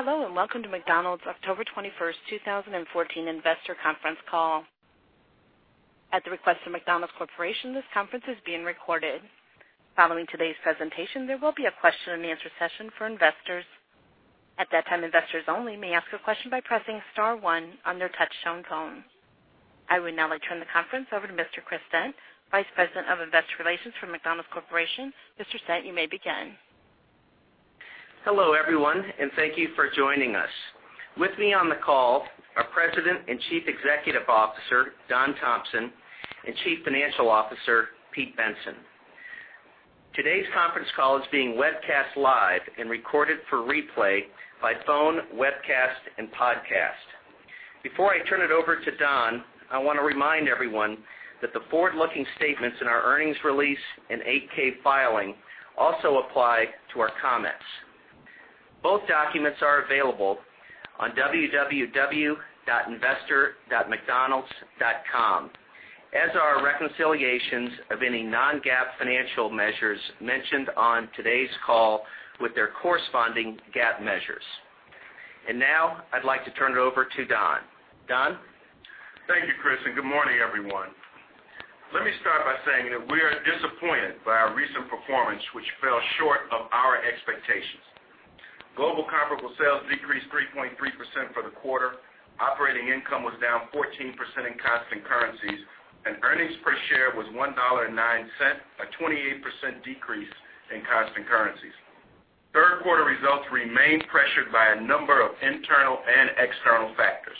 Hello, and welcome to McDonald's October 21st, 2014 investor conference call. At the request of McDonald's Corporation, this conference is being recorded. Following today's presentation, there will be a question and answer session for investors. At that time, investors only may ask a question by pressing star one on their touchtone phone. I would now like to turn the conference over to Mr. Chris Stent, Vice President of Investor Relations for McDonald's Corporation. Mr. Stent, you may begin. Hello, everyone, and thank you for joining us. With me on the call are President and Chief Executive Officer, Don Thompson, and Chief Financial Officer, Pete Bensen. Today's conference call is being webcast live and recorded for replay by phone, webcast, and podcast. Before I turn it over to Don, I want to remind everyone that the forward-looking statements in our earnings release and 8-K filing also apply to our comments. Both documents are available on www.investor.mcdonalds.com, as are reconciliations of any non-GAAP financial measures mentioned on today's call with their corresponding GAAP measures. Now I'd like to turn it over to Don. Don? Thank you, Chris, and good morning, everyone. Let me start by saying that we are disappointed by our recent performance, which fell short of our expectations. Global comparable sales decreased 3.3% for the quarter. Operating income was down 14% in constant currencies, and EPS was $1.09, a 28% decrease in constant currencies. Third quarter results remained pressured by a number of internal and external factors.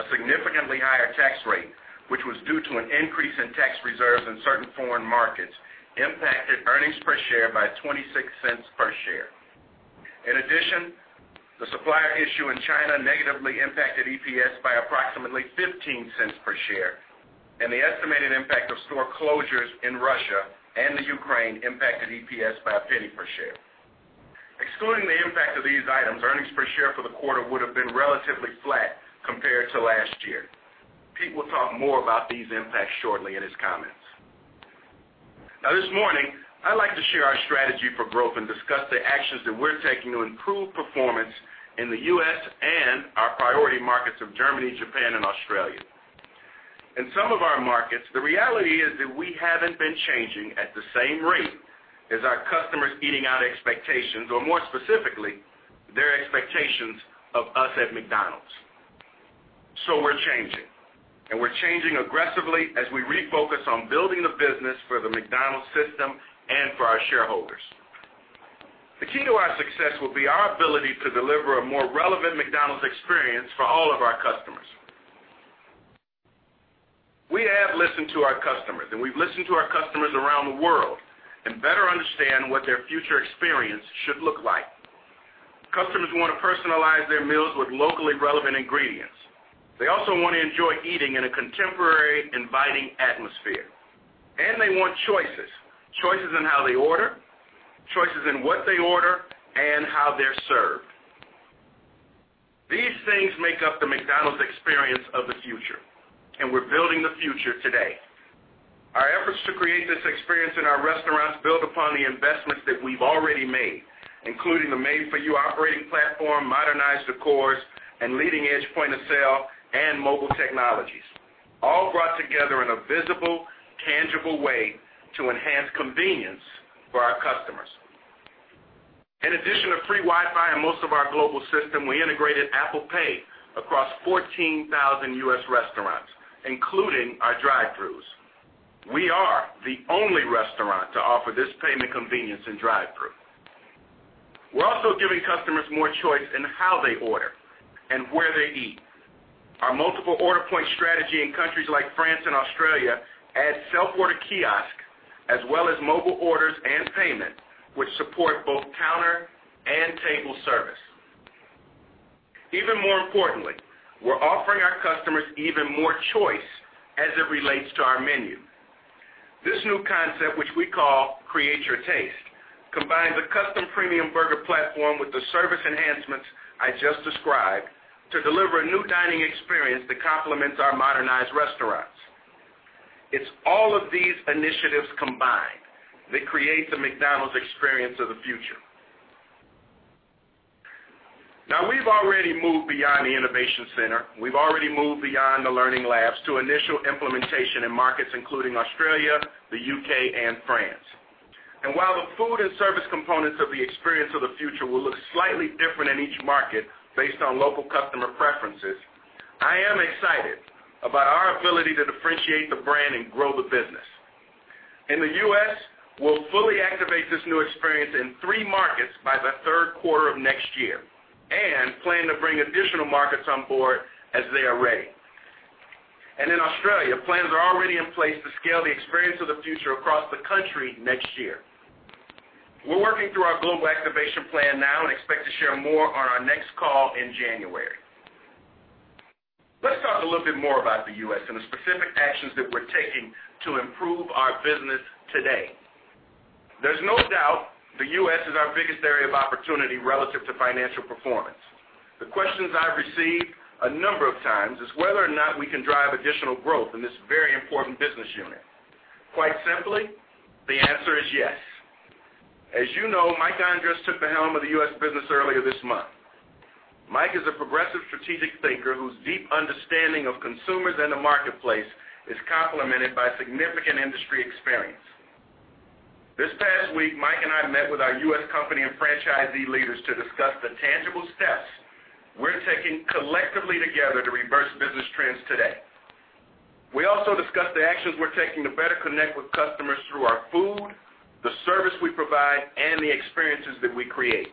A significantly higher tax rate, which was due to an increase in tax reserves in certain foreign markets, impacted EPS by $0.26 per share. In addition, the supplier issue in China negatively impacted EPS by approximately $0.15 per share, and the estimated impact of store closures in Russia and the Ukraine impacted EPS by $0.01 per share. Excluding the impact of these items, EPS for the quarter would have been relatively flat compared to last year. Pete will talk more about these impacts shortly in his comments. This morning, I'd like to share our strategy for growth and discuss the actions that we're taking to improve performance in the U.S. and our priority markets of Germany, Japan, and Australia. In some of our markets, the reality is that we haven't been changing at the same rate as our customers' eating out expectations, or more specifically, their expectations of us at McDonald's. We're changing, and we're changing aggressively as we refocus on building the business for the McDonald's system and for our shareholders. The key to our success will be our ability to deliver a more relevant McDonald's experience for all of our customers. We have listened to our customers, we've listened to our customers around the world and better understand what their future experience should look like. Customers want to personalize their meals with locally relevant ingredients. They also want to enjoy eating in a contemporary, inviting atmosphere. They want choices. Choices in how they order, choices in what they order and how they're served. These things make up the McDonald's Experience of the Future, and we're building the future today. Our efforts to create this experience in our restaurants build upon the investments that we've already made, including the Made For You operating platform, modernized decors, and leading edge point-of-sale and mobile technologies, all brought together in a visible, tangible way to enhance convenience for our customers. In addition to free Wi-Fi in most of our global system, we integrated Apple Pay across 14,000 U.S. restaurants, including our drive-thrus. We are the only restaurant to offer this payment convenience in drive-thru. We're also giving customers more choice in how they order and where they eat. Our multiple order point strategy in countries like France and Australia adds self-order kiosk, as well as mobile orders and payment, which support both counter and table service. Even more importantly, we're offering our customers even more choice as it relates to our menu. This new concept, which we call Create Your Taste, combines a custom premium burger platform with the service enhancements I just described to deliver a new dining experience that complements our modernized restaurants. It's all of these initiatives combined that create the McDonald's Experience of the Future. We've already moved beyond the innovation center. We've already moved beyond the learning labs to initial implementation in markets including Australia, the U.K., and France. While the food and service components of the McDonald's Experience of the Future will look slightly different in each market based on local customer preferences, I am excited about our ability to differentiate the brand and grow the business. In the U.S., we'll fully activate this new experience in three markets by the third quarter of next year, and plan to bring additional markets on board as they are ready. In Australia, plans are already in place to scale the McDonald's Experience of the Future across the country next year. We're working through our global activation plan now and expect to share more on our next call in January. Let's talk a little bit more about the U.S. and the specific actions that we're taking to improve our business today. There's no doubt the U.S. is our biggest area of opportunity relative to financial performance. The questions I've received a number of times is whether or not we can drive additional growth in this very important business unit. Quite simply, the answer is yes. As you know, Mike Andres took the helm of the U.S. business earlier this month. Mike is a progressive strategic thinker whose deep understanding of consumers and the marketplace is complemented by significant industry experience. This past week, Mike and I met with our U.S. company and franchisee leaders to discuss the tangible steps we're taking collectively together to reverse business trends today. We also discussed the actions we're taking to better connect with customers through our food, the service we provide, and the experiences that we create.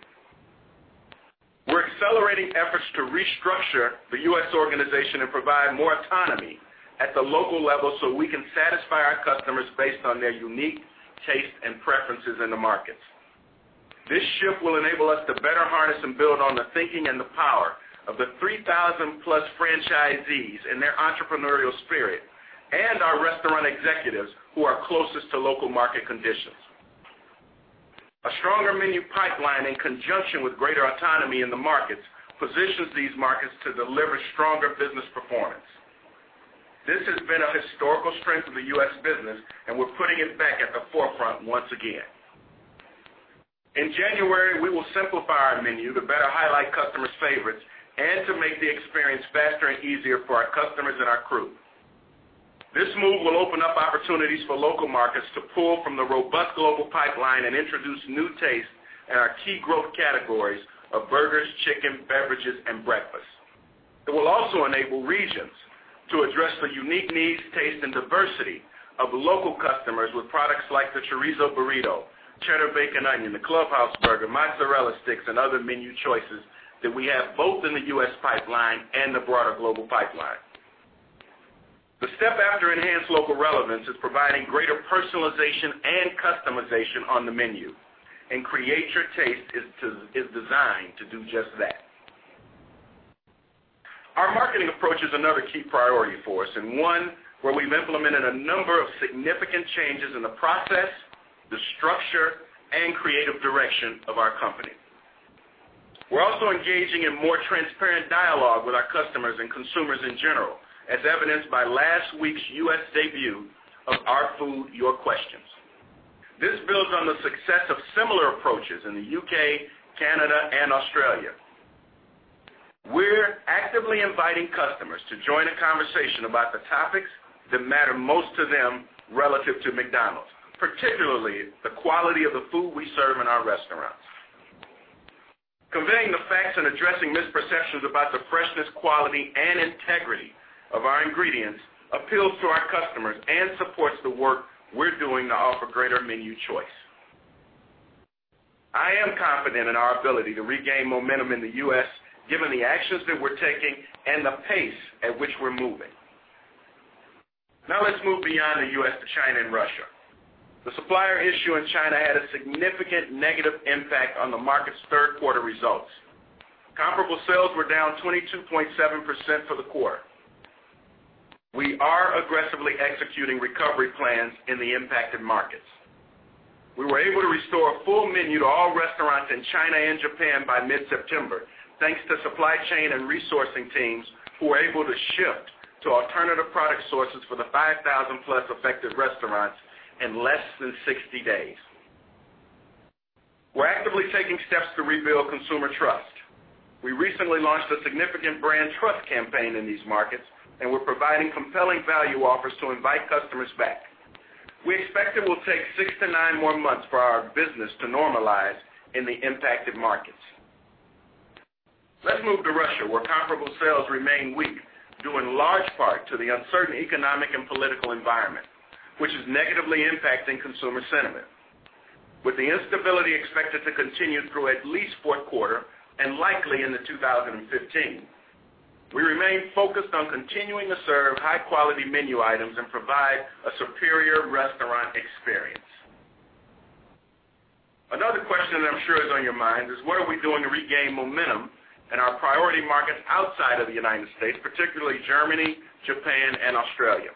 We're accelerating efforts to restructure the U.S. organization and provide more autonomy at the local level so we can satisfy our customers based on their unique tastes and preferences in the markets. This shift will enable us to better harness and build on the thinking and the power of the 3,000-plus franchisees and their entrepreneurial spirit, and our restaurant executives who are closest to local market conditions. A stronger menu pipeline in conjunction with greater autonomy in the markets, positions these markets to deliver stronger business performance. This has been a historical strength of the U.S. business, and we're putting it back at the forefront once again. In January, we will simplify our menu to better highlight customers' favorites and to make the experience faster and easier for our customers and our crew. This move will open up opportunities for local markets to pull from the robust global pipeline and introduce new tastes in our key growth categories of burgers, chicken, beverages, and breakfast. It will also enable regions to address the unique needs, tastes, and diversity of local customers with products like the Chorizo Burrito, Cheddar Bacon Onion, the Bacon Clubhouse Burger, mozzarella sticks, and other menu choices that we have both in the U.S. pipeline and the broader global pipeline. The step after enhanced local relevance is providing greater personalization and customization on the menu, and Create Your Taste is designed to do just that. Our marketing approach is another key priority for us, and one where we've implemented a number of significant changes in the process, the structure, and creative direction of our company. We're also engaging in more transparent dialogue with our customers and consumers in general, as evidenced by last week's U.S. debut of Our Food, Your Questions. This builds on the success of similar approaches in the U.K., Canada, and Australia. We're actively inviting customers to join a conversation about the topics that matter most to them relative to McDonald's, particularly the quality of the food we serve in our restaurants. Conveying the facts and addressing misperceptions about the freshness, quality, and integrity of our ingredients appeals to our customers and supports the work we're doing to offer greater menu choice. I am confident in our ability to regain momentum in the U.S., given the actions that we're taking and the pace at which we're moving. Now let's move beyond the U.S. to China and Russia. The supplier issue in China had a significant negative impact on the market's third quarter results. Comparable sales were down 22.7% for the quarter. We are aggressively executing recovery plans in the impacted markets. We were able to restore a full menu to all restaurants in China and Japan by mid-September, thanks to supply chain and resourcing teams who were able to shift to alternative product sources for the 5,000-plus affected restaurants in less than 60 days. We're actively taking steps to rebuild consumer trust. We recently launched a significant brand trust campaign in these markets, and we're providing compelling value offers to invite customers back. We expect it will take six to nine more months for our business to normalize in the impacted markets. Let's move to Russia, where comparable sales remain weak due in large part to the uncertain economic and political environment, which is negatively impacting consumer sentiment. With the instability expected to continue through at least fourth quarter and likely into 2015, we remain focused on continuing to serve high-quality menu items and provide a superior restaurant experience. Another question that I'm sure is on your mind is what are we doing to regain momentum in our priority markets outside of the U.S., particularly Germany, Japan, and Australia.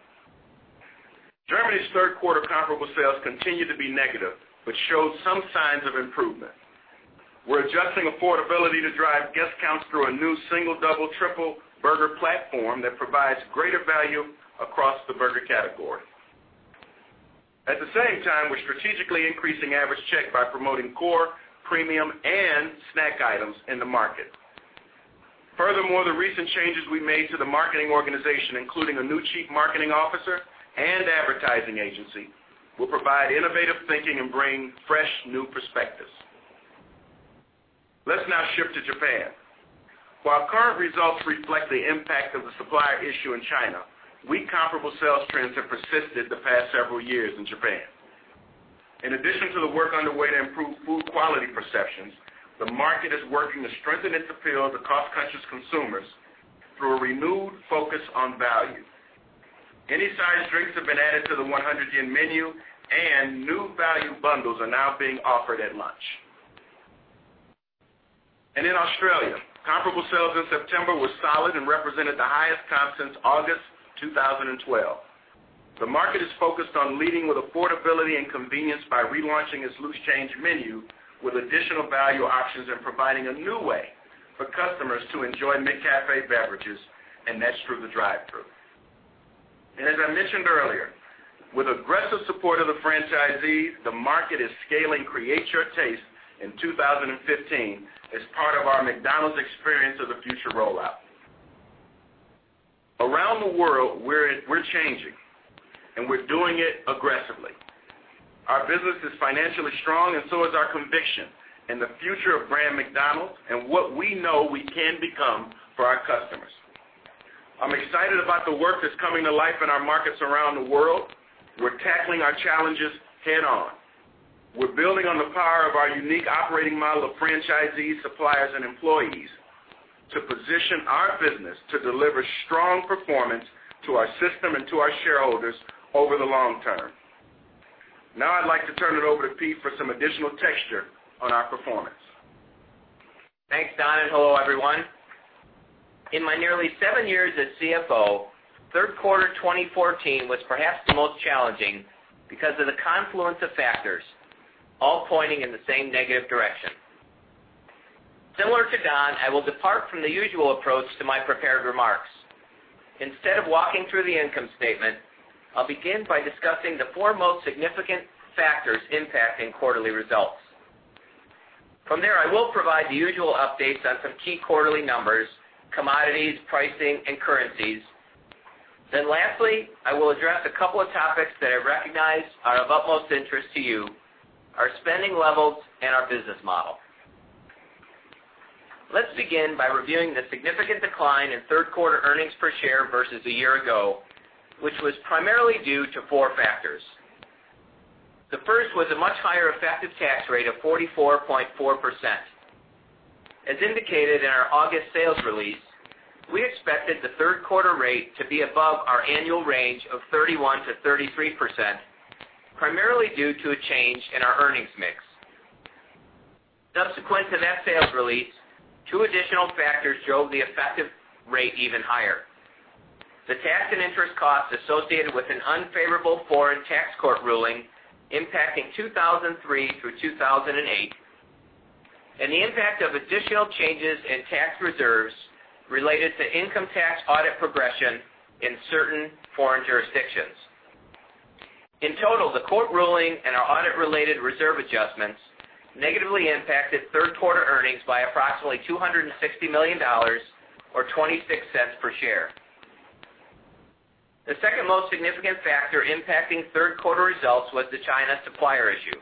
Germany's third quarter comparable sales continue to be negative but showed some signs of improvement. We're adjusting affordability to drive guest counts through a new single, double, triple burger platform that provides greater value across the burger category. At the same time, we're strategically increasing average check by promoting core, premium, and snack items in the market. The recent changes we made to the marketing organization, including a new chief marketing officer and advertising agency, will provide innovative thinking and bring fresh new perspectives. Let's now shift to Japan. While current results reflect the impact of the supplier issue in China, weak comparable sales trends have persisted the past several years in Japan. In addition to the work underway to improve food quality perceptions, the market is working to strengthen its appeal to cost-conscious consumers through a renewed focus on value. Any size drinks have been added to the ¥100 yen menu and new value bundles are now being offered at lunch. In Australia, comparable sales in September were solid and represented the highest comp since August 2012. The market is focused on leading with affordability and convenience by relaunching its Loose Change Menu with additional value options and providing a new way for customers to enjoy McCafé beverages, and that's through the drive-thru. As I mentioned earlier, with aggressive support of the franchisees, the market is scaling Create Your Taste in 2015 as part of our McDonald's Experience of the Future rollout. Around the world, we're changing, and we're doing it aggressively. Our business is financially strong, and so is our conviction in the future of brand McDonald's and what we know we can become for our customers. I'm excited about the work that's coming to life in our markets around the world. We're tackling our challenges head-on. We're building on the power of our unique operating model of franchisees, suppliers, and employees to position our business to deliver strong performance to our system and to our shareholders over the long term. Now I'd like to turn it over to Pete for some additional texture on our performance. Thanks, Don, and hello, everyone. In my nearly 7 years as CFO, third quarter 2014 was perhaps the most challenging because of the confluence of factors all pointing in the same negative direction. Similar to Don, I will depart from the usual approach to my prepared remarks. Instead of walking through the income statement, I will begin by discussing the 4 most significant factors impacting quarterly results. From there, I will provide the usual updates on some key quarterly numbers, commodities, pricing, and currencies. Lastly, I will address a couple of topics that I recognize are of utmost interest to you, our spending levels and our business model. Let's begin by reviewing the significant decline in third quarter EPS versus a year ago, which was primarily due to 4 factors. The first was a much higher effective tax rate of 44.4%. As indicated in our August sales release, we expected the third quarter rate to be above our annual range of 31%-33%, primarily due to a change in our earnings mix. Subsequent to that sales release, 2 additional factors drove the effective rate even higher. The tax and interest costs associated with an unfavorable foreign tax court ruling impacting 2003 through 2008, and the impact of additional changes in tax reserves related to income tax audit progression in certain foreign jurisdictions. In total, the court ruling and our audit-related reserve adjustments negatively impacted third quarter earnings by approximately $260 million or $0.26 per share. The second most significant factor impacting third quarter results was the China supplier issue.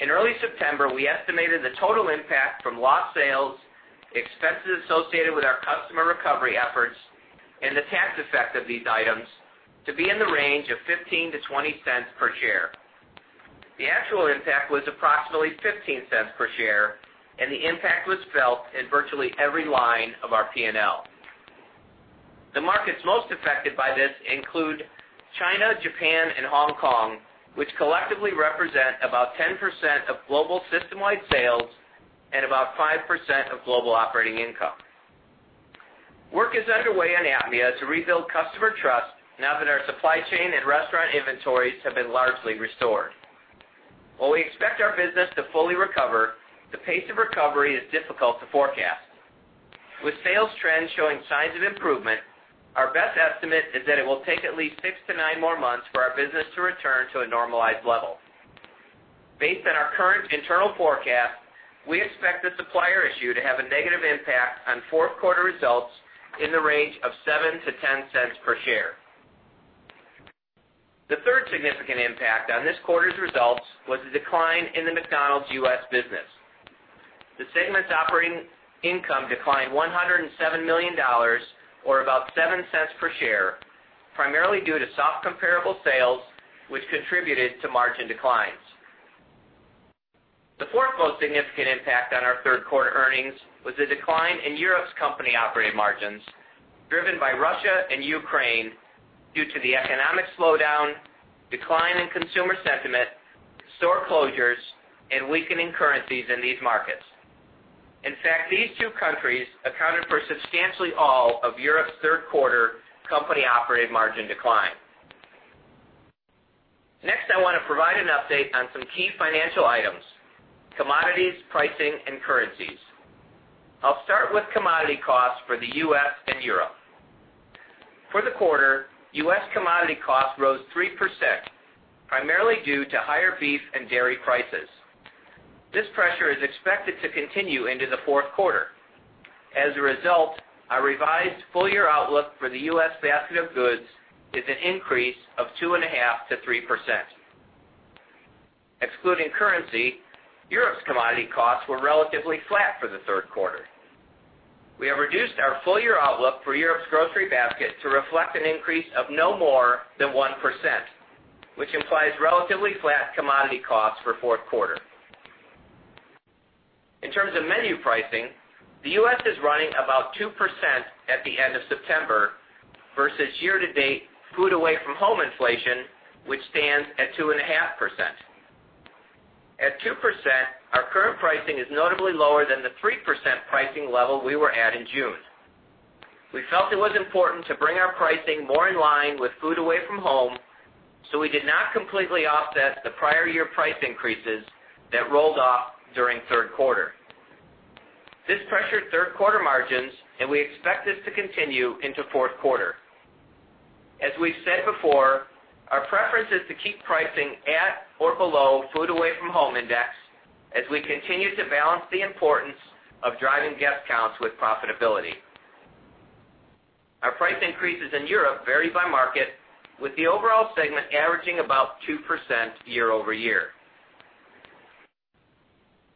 In early September, we estimated the total impact from lost sales, expenses associated with our customer recovery efforts, and the tax effect of these items to be in the range of $0.15-$0.20 per share. The actual impact was approximately $0.15 per share, and the impact was felt in virtually every line of our P&L. The markets most affected by this include China, Japan, and Hong Kong, which collectively represent about 10% of global system-wide sales and about 5% of global operating income. Work is underway in APMEA to rebuild customer trust now that our supply chain and restaurant inventories have been largely restored. While we expect our business to fully recover, the pace of recovery is difficult to forecast. With sales trends showing signs of improvement, our best estimate is that it will take at least 6-9 more months for our business to return to a normalized level. Based on our current internal forecast, we expect the supplier issue to have a negative impact on fourth quarter results in the range of $0.07-$0.10 per share. The third significant impact on this quarter's results was the decline in the McDonald's U.S. business. The segment's operating income declined $107 million, or about $0.07 per share, primarily due to soft comparable sales, which contributed to margin declines. The fourth most significant impact on our third quarter earnings was the decline in Europe's company operating margins, driven by Russia and Ukraine due to the economic slowdown, decline in consumer sentiment, store closures, and weakening currencies in these markets. In fact, these two countries accounted for substantially all of Europe's third quarter company operating margin decline. Next, I want to provide an update on some key financial items, commodities, pricing, and currencies. I'll start with commodity costs for the U.S. and Europe. For the quarter, U.S. commodity costs rose 3%, primarily due to higher beef and dairy prices. This pressure is expected to continue into the fourth quarter. As a result, our revised full-year outlook for the U.S. basket of goods is an increase of 2.5%-3%. Excluding currency, Europe's commodity costs were relatively flat for the third quarter. We have reduced our full-year outlook for Europe's grocery basket to reflect an increase of no more than 1%, which implies relatively flat commodity costs for fourth quarter. In terms of menu pricing, the U.S. is running about 2% at the end of September versus year-to-date food away from home inflation, which stands at 2.5%. At 2%, our current pricing is notably lower than the 3% pricing level we were at in June. We felt it was important to bring our pricing more in line with food away from home, so we did not completely offset the prior year price increases that rolled off during the third quarter. This pressured third-quarter margins, and we expect this to continue into the fourth quarter. As we've said before, our preference is to keep pricing at or below food away from home index as we continue to balance the importance of driving guest counts with profitability. Our price increases in Europe vary by market, with the overall segment averaging about 2% year-over-year.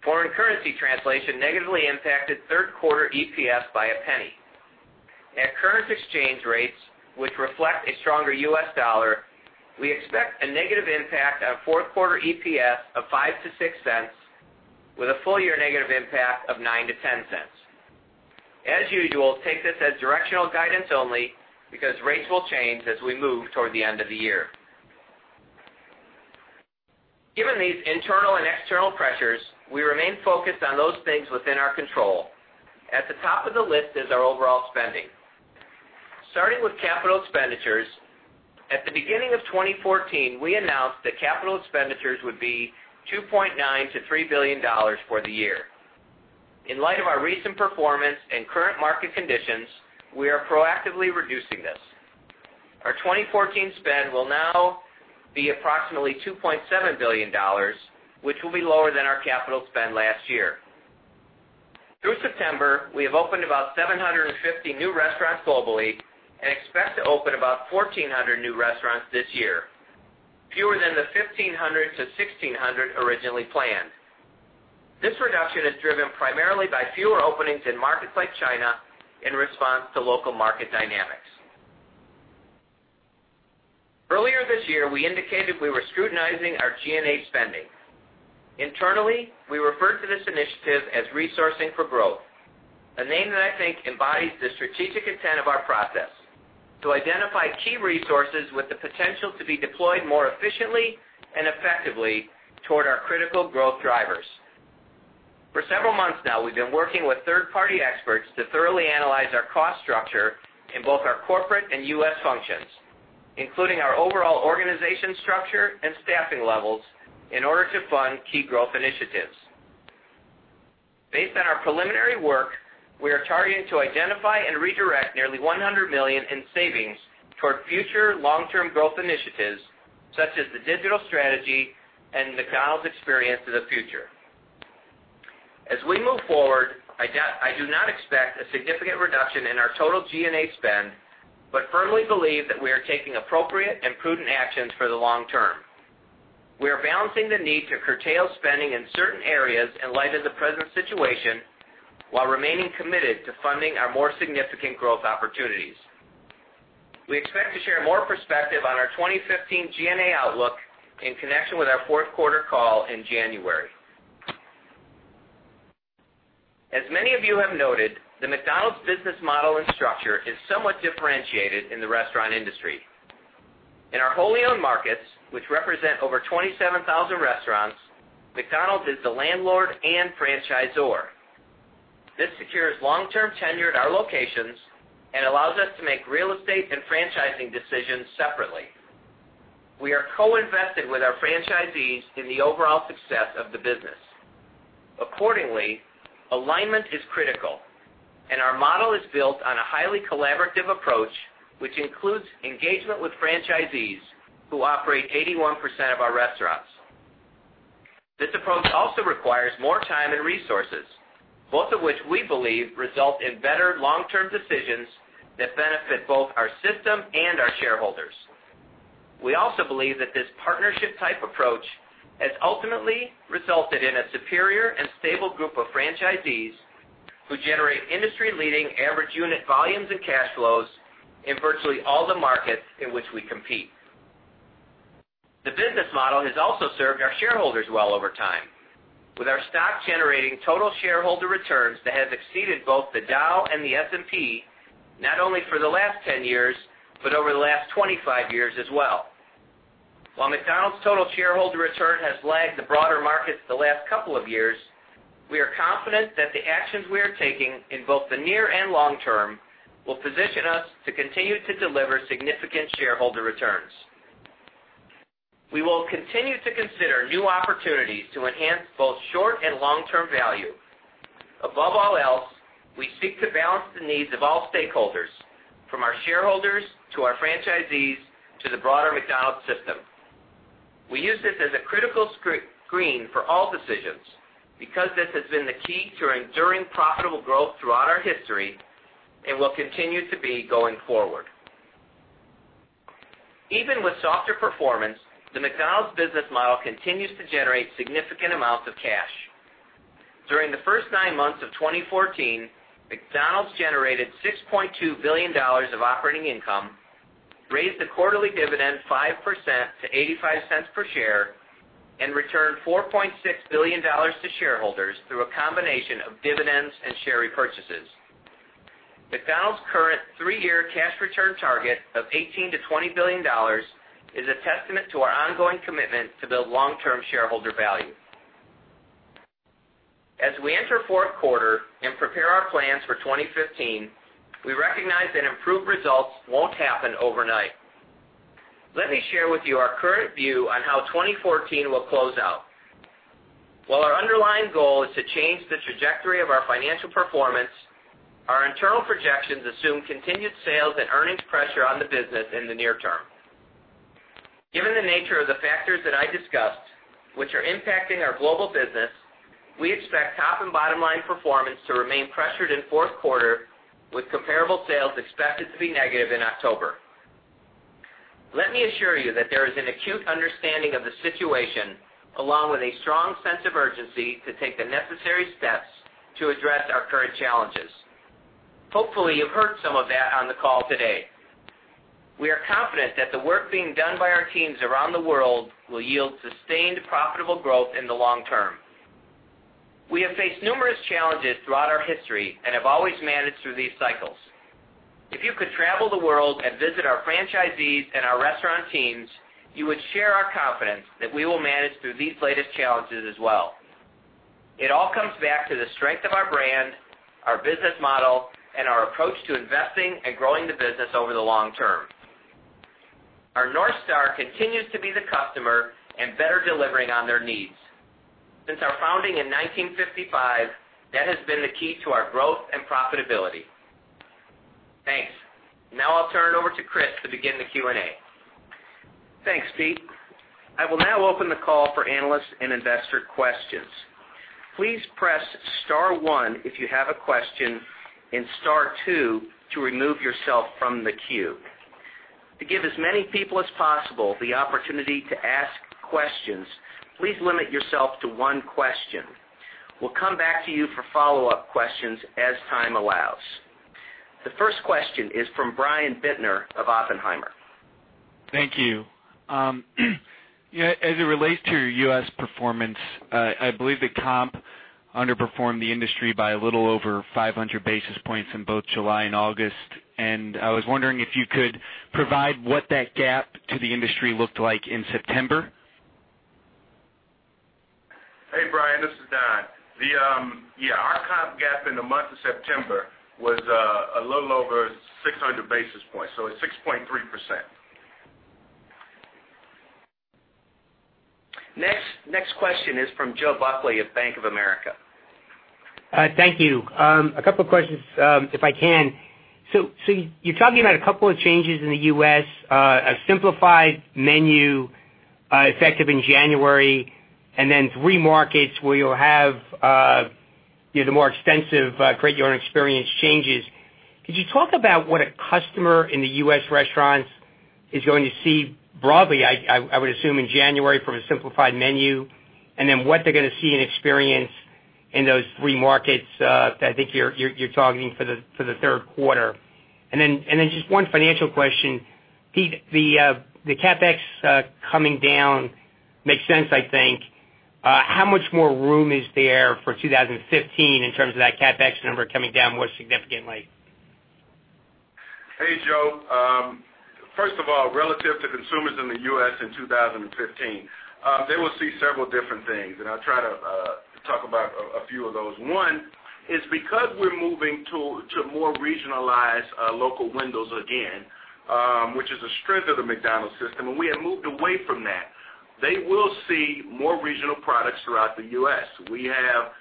Foreign currency translation negatively impacted third-quarter EPS by $0.01. At current exchange rates, which reflect a stronger U.S. dollar, we expect a negative impact on fourth quarter EPS of $0.05-$0.06, with a full year negative impact of $0.09-$0.10. As usual, take this as directional guidance only because rates will change as we move toward the end of the year. Given these internal and external pressures, we remain focused on those things within our control. At the top of the list is our overall spending. Starting with capital expenditures, at the beginning of 2014, we announced that capital expenditures would be $2.9 billion-$3 billion for the year. In light of our recent performance and current market conditions, we are proactively reducing this. Our 2014 spend will now be approximately $2.7 billion, which will be lower than our capital spend last year. Through September, we have opened about 750 new restaurants globally and expect to open about 1,400 new restaurants this year, fewer than the 1,500-1,600 originally planned. This reduction is driven primarily by fewer openings in markets like China in response to local market dynamics. Earlier this year, we indicated we were scrutinizing our G&A spending. Internally, we refer to this initiative as Resourcing for Growth, a name that I think embodies the strategic intent of our process: To identify key resources with the potential to be deployed more efficiently and effectively toward our critical growth drivers. For several months now, we've been working with third-party experts to thoroughly analyze our cost structure in both our corporate and U.S. functions, including our overall organization structure and staffing levels, in order to fund key growth initiatives. Based on our preliminary work, we are targeting to identify and redirect nearly $100 million in savings toward future long-term growth initiatives, such as the digital strategy and the McDonald's Experience of the Future. As we move forward, I do not expect a significant reduction in our total G&A, but firmly believe that we are taking appropriate and prudent actions for the long term. We are balancing the need to curtail spending in certain areas in light of the present situation, while remaining committed to funding our more significant growth opportunities. We expect to share more perspective on our 2015 G&A outlook in connection with our fourth quarter call in January. As many of you have noted, the McDonald's business model and structure is somewhat differentiated in the restaurant industry. In our wholly owned markets, which represent over 27,000 restaurants, McDonald's is the landlord and franchisor. This secures long-term tenure at our locations and allows us to make real estate and franchising decisions separately. We are co-invested with our franchisees in the overall success of the business. Accordingly, alignment is critical, and our model is built on a highly collaborative approach, which includes engagement with franchisees who operate 81% of our restaurants. This approach also requires more time and resources, both of which we believe result in better long-term decisions that benefit both our system and our shareholders. We also believe that this partnership-type approach has ultimately resulted in a superior and stable group of franchisees who generate industry-leading average unit volumes and cash flows in virtually all the markets in which we compete. The business model has also served our shareholders well over time, with our stock generating total shareholder returns that have exceeded both the Dow and the S&P, not only for the last 10 years, but over the last 25 years as well. While McDonald's total shareholder return has lagged the broader markets the last couple of years, we are confident that the actions we are taking in both the near and long term will position us to continue to deliver significant shareholder returns. We will continue to consider new opportunities to enhance both short and long-term value. Above all else, we seek to balance the needs of all stakeholders, from our shareholders to our franchisees to the broader McDonald's system. We use this as a critical screen for all decisions because this has been the key to enduring profitable growth throughout our history and will continue to be going forward. Even with softer performance, the McDonald's business model continues to generate significant amounts of cash. During the first nine months of 2014, McDonald's generated $6.2 billion of operating income, raised the quarterly dividend 5% to $0.85 per share, and returned $4.6 billion to shareholders through a combination of dividends and share repurchases. McDonald's current three-year cash return target of $18 billion-$20 billion is a testament to our ongoing commitment to build long-term shareholder value. As we enter the fourth quarter and prepare our plans for 2015, we recognize that improved results won't happen overnight. Let me share with you our current view on how 2014 will close out. While our underlying goal is to change the trajectory of our financial performance, our internal projections assume continued sales and earnings pressure on the business in the near term. Given the nature of the factors that I discussed, which are impacting our global business, we expect top and bottom line performance to remain pressured in the fourth quarter with comparable sales expected to be negative in October. Let me assure you that there is an acute understanding of the situation, along with a strong sense of urgency to take the necessary steps to address our current challenges. Hopefully, you've heard some of that on the call today. We are confident that the work being done by our teams around the world will yield sustained profitable growth in the long term. We have faced numerous challenges throughout our history and have always managed through these cycles. If you could travel the world and visit our franchisees and our restaurant teams, you would share our confidence that we will manage through these latest challenges as well. It all comes back to the strength of our brand, our business model, and our approach to investing and growing the business over the long term. Our North Star continues to be the customer and better delivering on their needs. Since our founding in 1955, that has been the key to our growth and profitability. Thanks. I'll turn it over to Chris to begin the Q&A. Thanks, Pete. I will now open the call for analyst and investor questions. Please press star one if you have a question and star two to remove yourself from the queue. To give as many people as possible the opportunity to ask questions, please limit yourself to one question. We'll come back to you for follow-up questions as time allows. The first question is from Brian Bittner of Oppenheimer. Thank you. As it relates to your U.S. performance, I believe the comp underperformed the industry by a little over 500 basis points in both July and August. I was wondering if you could provide what that gap to the industry looked like in September. Hey, Brian, this is Don. Our comp gap in the month of September was a little over 600 basis points, so it's 6.3%. Next question is from Joe Buckley of Bank of America. Thank you. A couple of questions, if I can. You're talking about a couple of changes in the U.S., a simplified menu, effective in January, then three markets where you'll have the more extensive Create Your Taste changes. Could you talk about what a customer in the U.S. restaurants is going to see broadly, I would assume in January from a simplified menu, and then what they're going to see and experience in those three markets that I think you're targeting for the third quarter. Just one financial question, Pete, the CapEx coming down makes sense, I think. How much more room is there for 2015 in terms of that CapEx number coming down more significantly? Hey, Joe. First of all, relative to consumers in the U.S. in 2015, they will see several different things, and I'll try to talk about a few of those. One is because we're moving to more regionalized local windows again, which is a strength of the McDonald's system, and we have moved away from that. They will see more regional products throughout the U.S. We have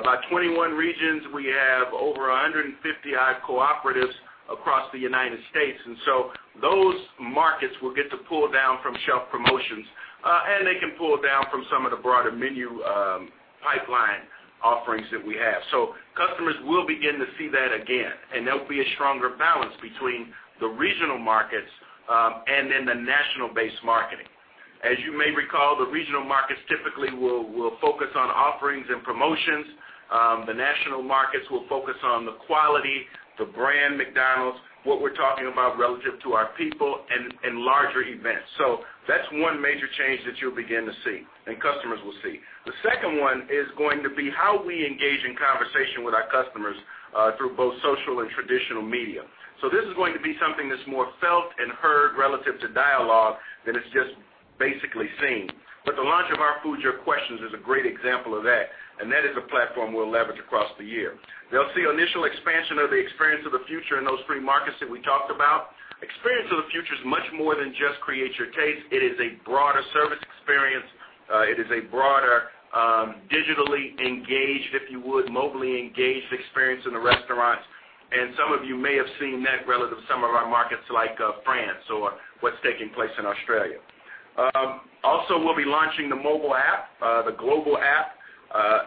about 21 regions. We have over 150-odd cooperatives across the United States. Those markets will get to pull down from shelf promotions, and they can pull down from some of the broader menu pipeline offerings that we have. Customers will begin to see that again, and there'll be a stronger balance between the regional markets and then the national base marketing. As you may recall, the regional markets typically will focus on offerings and promotions. The national markets will focus on the quality, the brand McDonald's, what we're talking about relative to our people and larger events. That's one major change that you'll begin to see and customers will see. The second one is going to be how we engage in conversation with our customers through both social and traditional media. This is going to be something that's more felt and heard relative to dialogue than it's just basically seen. The launch of Our Food, Your Questions is a great example of that, and that is a platform we'll leverage across the year. They'll see initial expansion of the Experience of the Future in those three markets that we talked about. Experience of the Future is much more than just Create Your Taste. It is a broader service experience. It is a broader, digitally engaged, if you would, mobilely engaged experience in the restaurants, and some of you may have seen that relative to some of our markets like France or what's taking place in Australia. Also, we'll be launching the mobile app, the global app,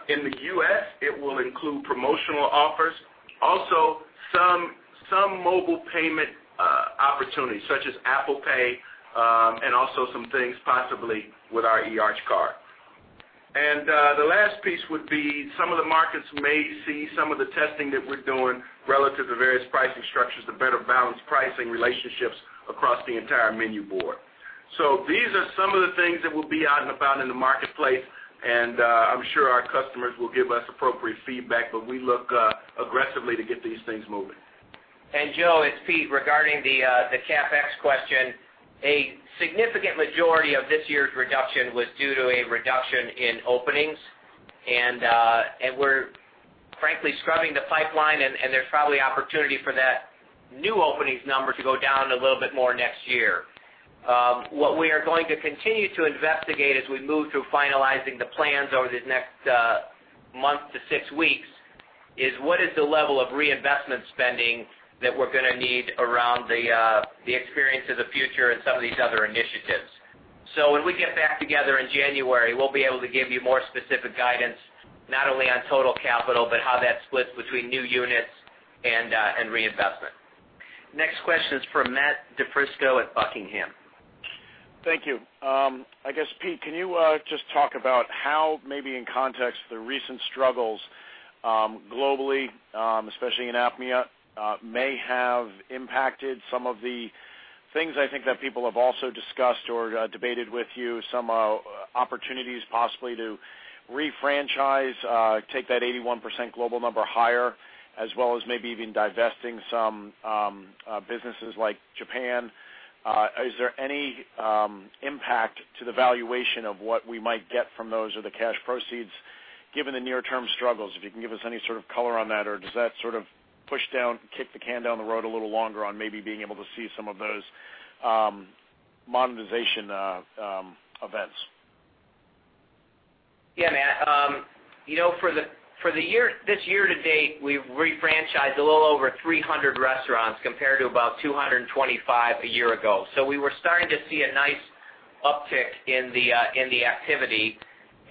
in the U.S. It will include promotional offers, also some mobile payment opportunities such as Apple Pay, and also some things possibly with our Arch Card. The last piece would be some of the markets may see some of the testing that we're doing relative to various pricing structures to better balance pricing relationships across the entire menu board. These are some of the things that will be out and about in the marketplace, and I'm sure our customers will give us appropriate feedback, but we look aggressively to get these things moving. Joe, it's Pete, regarding the CapEx question. A significant majority of this year's reduction was due to a reduction in openings, and we're frankly scrubbing the pipeline, and there's probably opportunity for that new openings number to go down a little bit more next year. What we are going to continue to investigate as we move through finalizing the plans over this next month to six weeks, is what is the level of reinvestment spending that we're going to need around the Experience of the Future and some of these other initiatives. When we get back together in January, we'll be able to give you more specific guidance, not only on total capital, but how that splits between new units and reinvestment. Next question is from Matt DiFrisco at Buckingham. Thank you. I guess, Pete, can you just talk about how maybe in context, the recent struggles globally, especially in APMEA, may have impacted some of the things I think that people have also discussed or debated with you, some opportunities possibly to refranchise, take that 81% global number higher, as well as maybe even divesting some businesses like Japan. Is there any impact to the valuation of what we might get from those or the cash proceeds given the near-term struggles? If you can give us any sort of color on that, or does that sort of push down, kick the can down the road a little longer on maybe being able to see some of those monetization events? Yeah, Matt. This year to date, we've refranchised a little over 300 restaurants compared to about 225 a year ago. We were starting to see a nice uptick in the activity,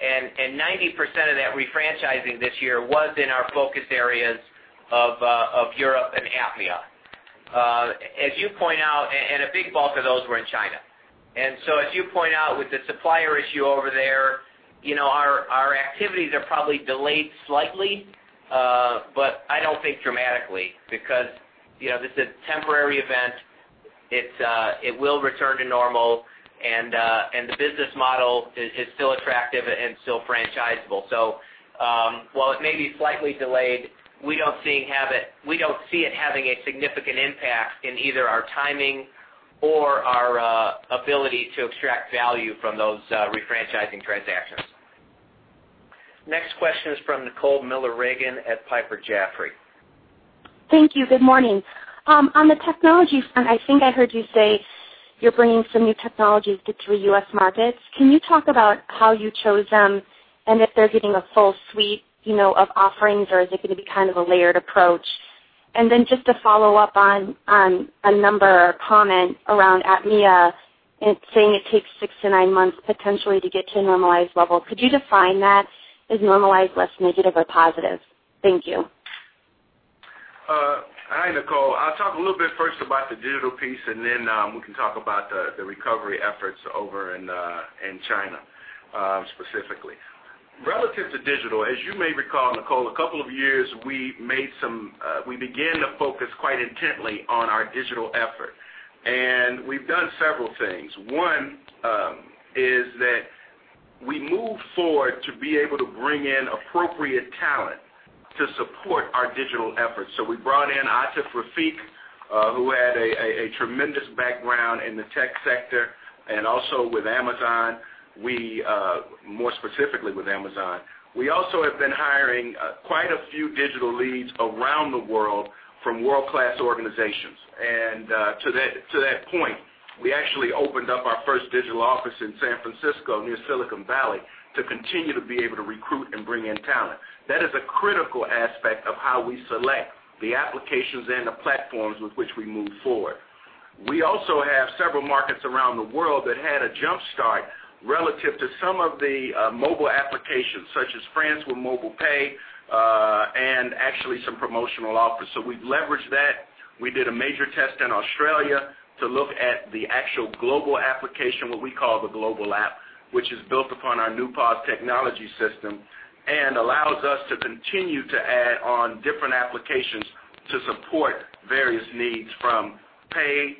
90% of that refranchising this year was in our focus areas of Europe and APMEA. A big bulk of those were in China. As you point out with the supplier issue over there, our activities are probably delayed slightly, but I don't think dramatically because this is a temporary event. It will return to normal, and the business model is still attractive and still franchisable. While it may be slightly delayed, we don't see it having a significant impact in either our timing or our ability to extract value from those refranchising transactions. Next question is from Nicole Miller Regan at Piper Jaffray. Thank you. Good morning. On the technology front, I think I heard you say you're bringing some new technologies to U.S. markets. Can you talk about how you chose them and if they're getting a full suite of offerings, or is it going to be kind of a layered approach? Just to follow up on a number or comment around APMEA, saying it takes six to nine months potentially to get to a normalized level. Could you define that? Is normalized less negative or positive? Thank you. Hi, Nicole. I'll talk a little bit first about the digital piece. We can talk about the recovery efforts over in China, specifically. Relative to digital, as you may recall, Nicole, a couple of years, we began to focus quite intently on our digital effort. We've done several things. One is that we moved forward to be able to bring in appropriate talent to support our digital efforts. We brought in Atif Rafiq, who had a tremendous background in the tech sector and also with Amazon, more specifically with Amazon. We also have been hiring quite a few digital leads around the world from world-class organizations. To that point, we actually opened up our first digital office in San Francisco near Silicon Valley to continue to be able to recruit and bring in talent. That is a critical aspect of how we select the applications and the platforms with which we move forward. We also have several markets around the world that had a jumpstart relative to some of the mobile applications, such as France with Mobile Pay, some promotional offers. We've leveraged that. We did a major test in Australia to look at the actual global application, what we call the global app, which is built upon our new POS technology system and allows us to continue to add on different applications to support various needs, from pay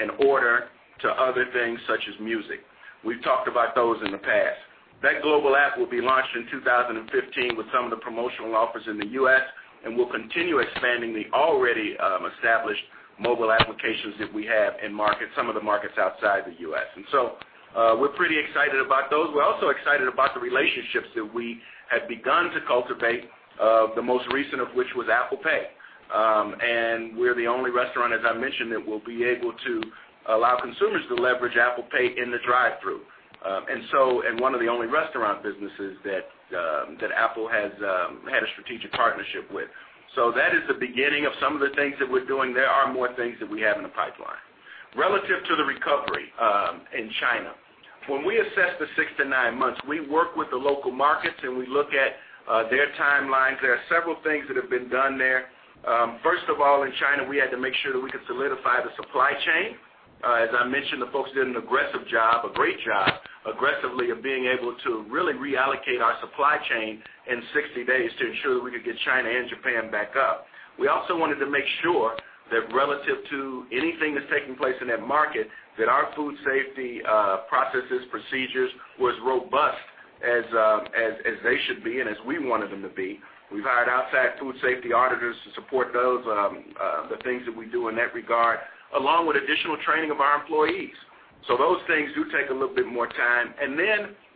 and order to other things such as music. We've talked about those in the past. That global app will be launched in 2015 with some of the promotional offers in the U.S. We'll continue expanding the already established mobile applications that we have in some of the markets outside the U.S. We're pretty excited about those. We're also excited about the relationships that we have begun to cultivate, the most recent of which was Apple Pay. We're the only restaurant, as I mentioned, that will be able to allow consumers to leverage Apple Pay in the drive-thru. One of the only restaurant businesses that Apple has had a strategic partnership with. That is the beginning of some of the things that we're doing. There are more things that we have in the pipeline. Relative to the recovery in China. When we assess the six to nine months, we work with the local markets. We look at their timelines. There are several things that have been done there. First of all, in China, we had to make sure that we could solidify the supply chain. As I mentioned, the folks did an aggressive job, a great job, aggressively of being able to really reallocate our supply chain in 60 days to ensure we could get China and Japan back up. We also wanted to make sure that relative to anything that's taking place in that market, that our food safety processes, procedures were robust as they should be, and as we wanted them to be. We've hired outside food safety auditors to support the things that we do in that regard, along with additional training of our employees. Those things do take a little bit more time.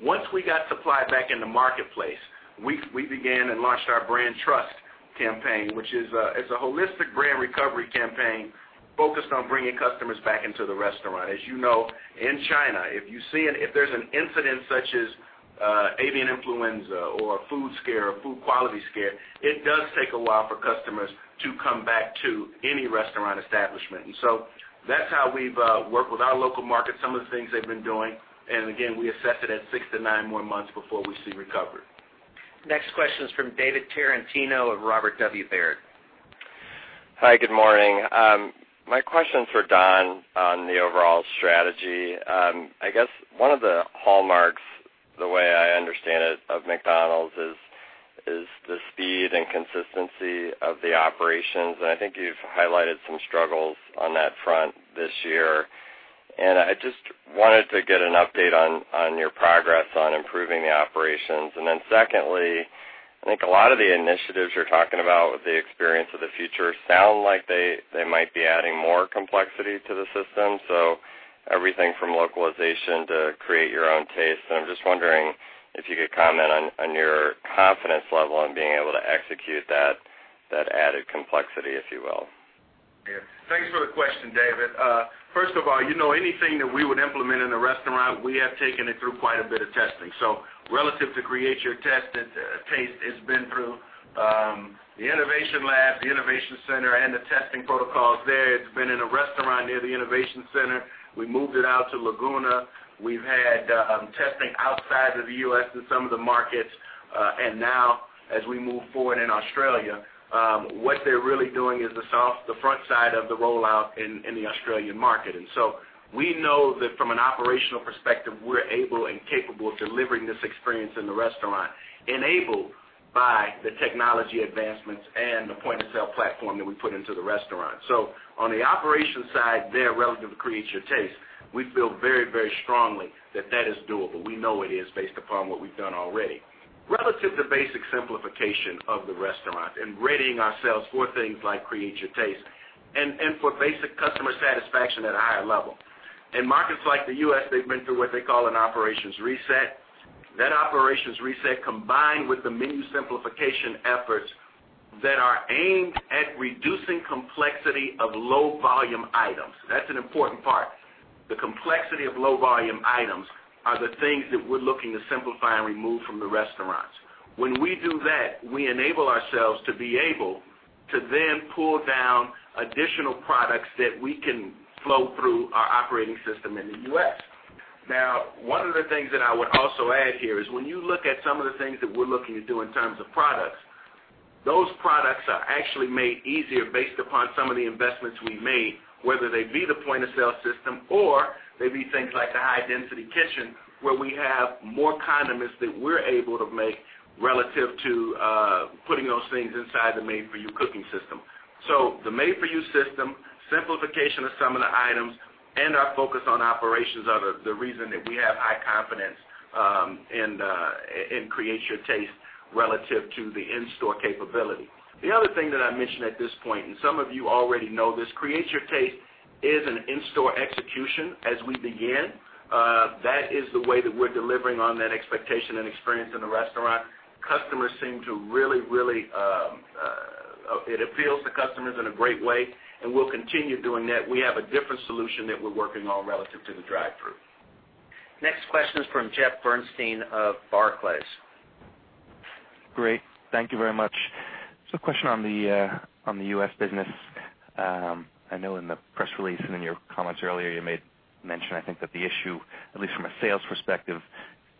Once we got supply back in the marketplace, we began and launched our brand trust campaign, which is a holistic brand recovery campaign focused on bringing customers back into the restaurant. As you know, in China, if there's an incident such as avian influenza or a food scare or food quality scare, it does take a while for customers to come back to any restaurant establishment. That's how we've worked with our local market, some of the things they've been doing, and again, we assess it at six to nine more months before we see recovery. Next question is from David Tarantino of Robert W. Baird. Hi, good morning. My question is for Don on the overall strategy. I guess one of the hallmarks, the way I understand it, of McDonald's is the speed and consistency of the operations, and I think you've highlighted some struggles on that front this year. I just wanted to get an update on your progress on improving the operations. Secondly, I think a lot of the initiatives you're talking about with the Experience of the Future sound like they might be adding more complexity to the system, so everything from localization to Create Your Taste. I'm just wondering if you could comment on your confidence level on being able to execute that added complexity, if you will. Yeah. Thanks for the question, David. First of all, anything that we would implement in a restaurant, we have taken it through quite a bit of testing. Relative to Create Your Taste, it's been through the innovation lab, the innovation center, and the testing protocols there. It's been in a restaurant near the innovation center. We moved it out to Laguna. We've had testing outside of the U.S. in some of the markets. Now as we move forward in Australia, what they're really doing is the front side of the rollout in the Australian market. We know that from an operational perspective, we're able and capable of delivering this experience in the restaurant, enabled by the technology advancements and the point-of-sale platform that we put into the restaurant. On the operations side there, relative to Create Your Taste, we feel very strongly that that is doable. We know it is based upon what we've done already. Relative to basic simplification of the restaurant and readying ourselves for things like Create Your Taste and for basic customer satisfaction at a higher level. In markets like the U.S., they've been through what they call an operations reset. That operations reset, combined with the menu simplification efforts that are aimed at reducing complexity of low-volume items. That's an important part. The complexity of low-volume items are the things that we're looking to simplify and remove from the restaurants. When we do that, we enable ourselves to be able to then pull down additional products that we can flow through our operating system in the U.S. One of the things that I would also add here is when you look at some of the things that we're looking to do in terms of products, those products are actually made easier based upon some of the investments we made, whether they be the point-of-sale system or they be things like the high-density kitchen, where we have more condiments that we're able to make relative to putting those things inside the Made For You cooking system. The Made For You system, simplification of some of the items, and our focus on operations are the reason that we have high confidence in Create Your Taste relative to the in-store capability. The other thing that I mention at this point, and some of you already know this, Create Your Taste is an in-store execution as we begin. That is the way that we're delivering on that expectation and experience in the restaurant. It appeals to customers in a great way, and we'll continue doing that. We have a different solution that we're working on relative to the drive-through. Next question is from Jeffrey Bernstein of Barclays. Great. Thank you very much. A question on the U.S. business. I know in the press release and in your comments earlier, you made mention, I think, that the issue, at least from a sales perspective,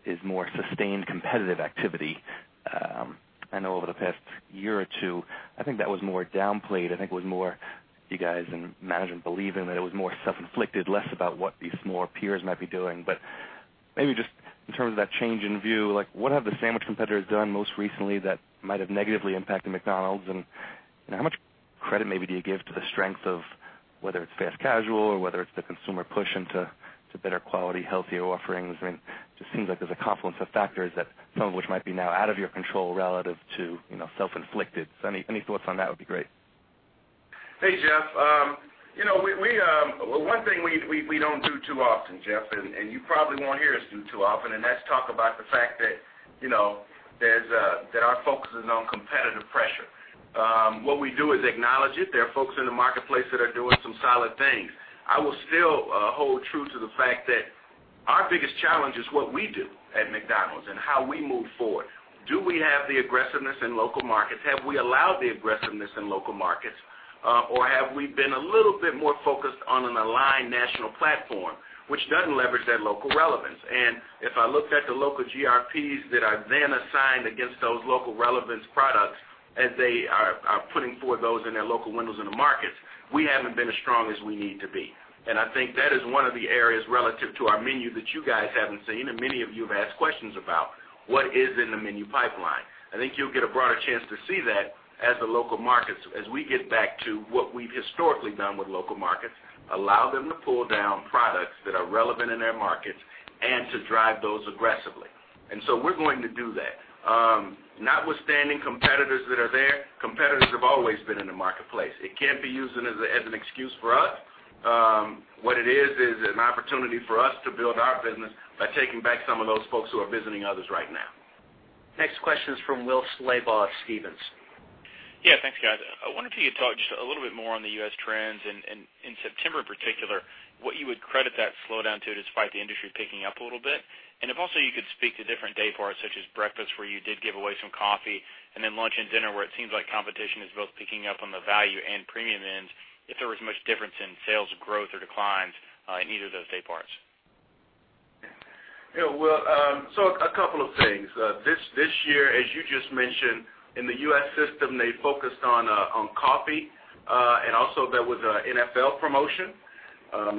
is more sustained competitive activity. I know over the past year or two, I think that was more downplayed. I think you guys and management believe in that it was more self-inflicted, less about what these more peers might be doing. Maybe just in terms of that change in view, what have the sandwich competitors done most recently that might have negatively impacted McDonald's? How much credit maybe do you give to the strength of whether it's fast casual or whether it's the consumer push into better quality, healthier offerings? It just seems like there's a confluence of factors that some of which might be now out of your control relative to self-inflicted. Any thoughts on that would be great. Hey, Jeff. One thing we don't do too often, Jeff, you probably won't hear us do too often, and that's talk about the fact that our focus is on competitive pressure. What we do is acknowledge it. There are folks in the marketplace that are doing some solid things. I will still hold true to the fact that our biggest challenge is what we do at McDonald's and how we move forward. Do we have the aggressiveness in local markets? Have we allowed the aggressiveness in local markets? Have we been a little bit more focused on an aligned national platform, which doesn't leverage that local relevance? If I looked at the local GRPs that I then assigned against those local relevance products as they are putting forward those in their local windows in the markets, we haven't been as strong as we need to be. I think that is one of the areas relative to our menu that you guys haven't seen, and many of you have asked questions about what is in the menu pipeline. I think you'll get a broader chance to see that as we get back to what we've historically done with local markets, allow them to pull down products that are relevant in their markets and to drive those aggressively. We're going to do that. Notwithstanding competitors that are there, competitors have always been in the marketplace. It can't be used as an excuse for us. What it is an opportunity for us to build our business by taking back some of those folks who are visiting others right now. Next question is from Will Slabaugh of Stephens. Yeah, thanks, guys. I wonder if you could talk just a little bit more on the U.S. trends, and in September particular, what you would credit that slowdown to, despite the industry picking up a little bit. If also you could speak to different day parts, such as breakfast, where you did give away some coffee, and then lunch and dinner, where it seems like competition is both picking up on the value and premium ends, if there was much difference in sales growth or declines in either of those day parts. Yeah, Will. A couple of things. This year, as you just mentioned, in the U.S. system, they focused on coffee, and also there was an NFL promotion.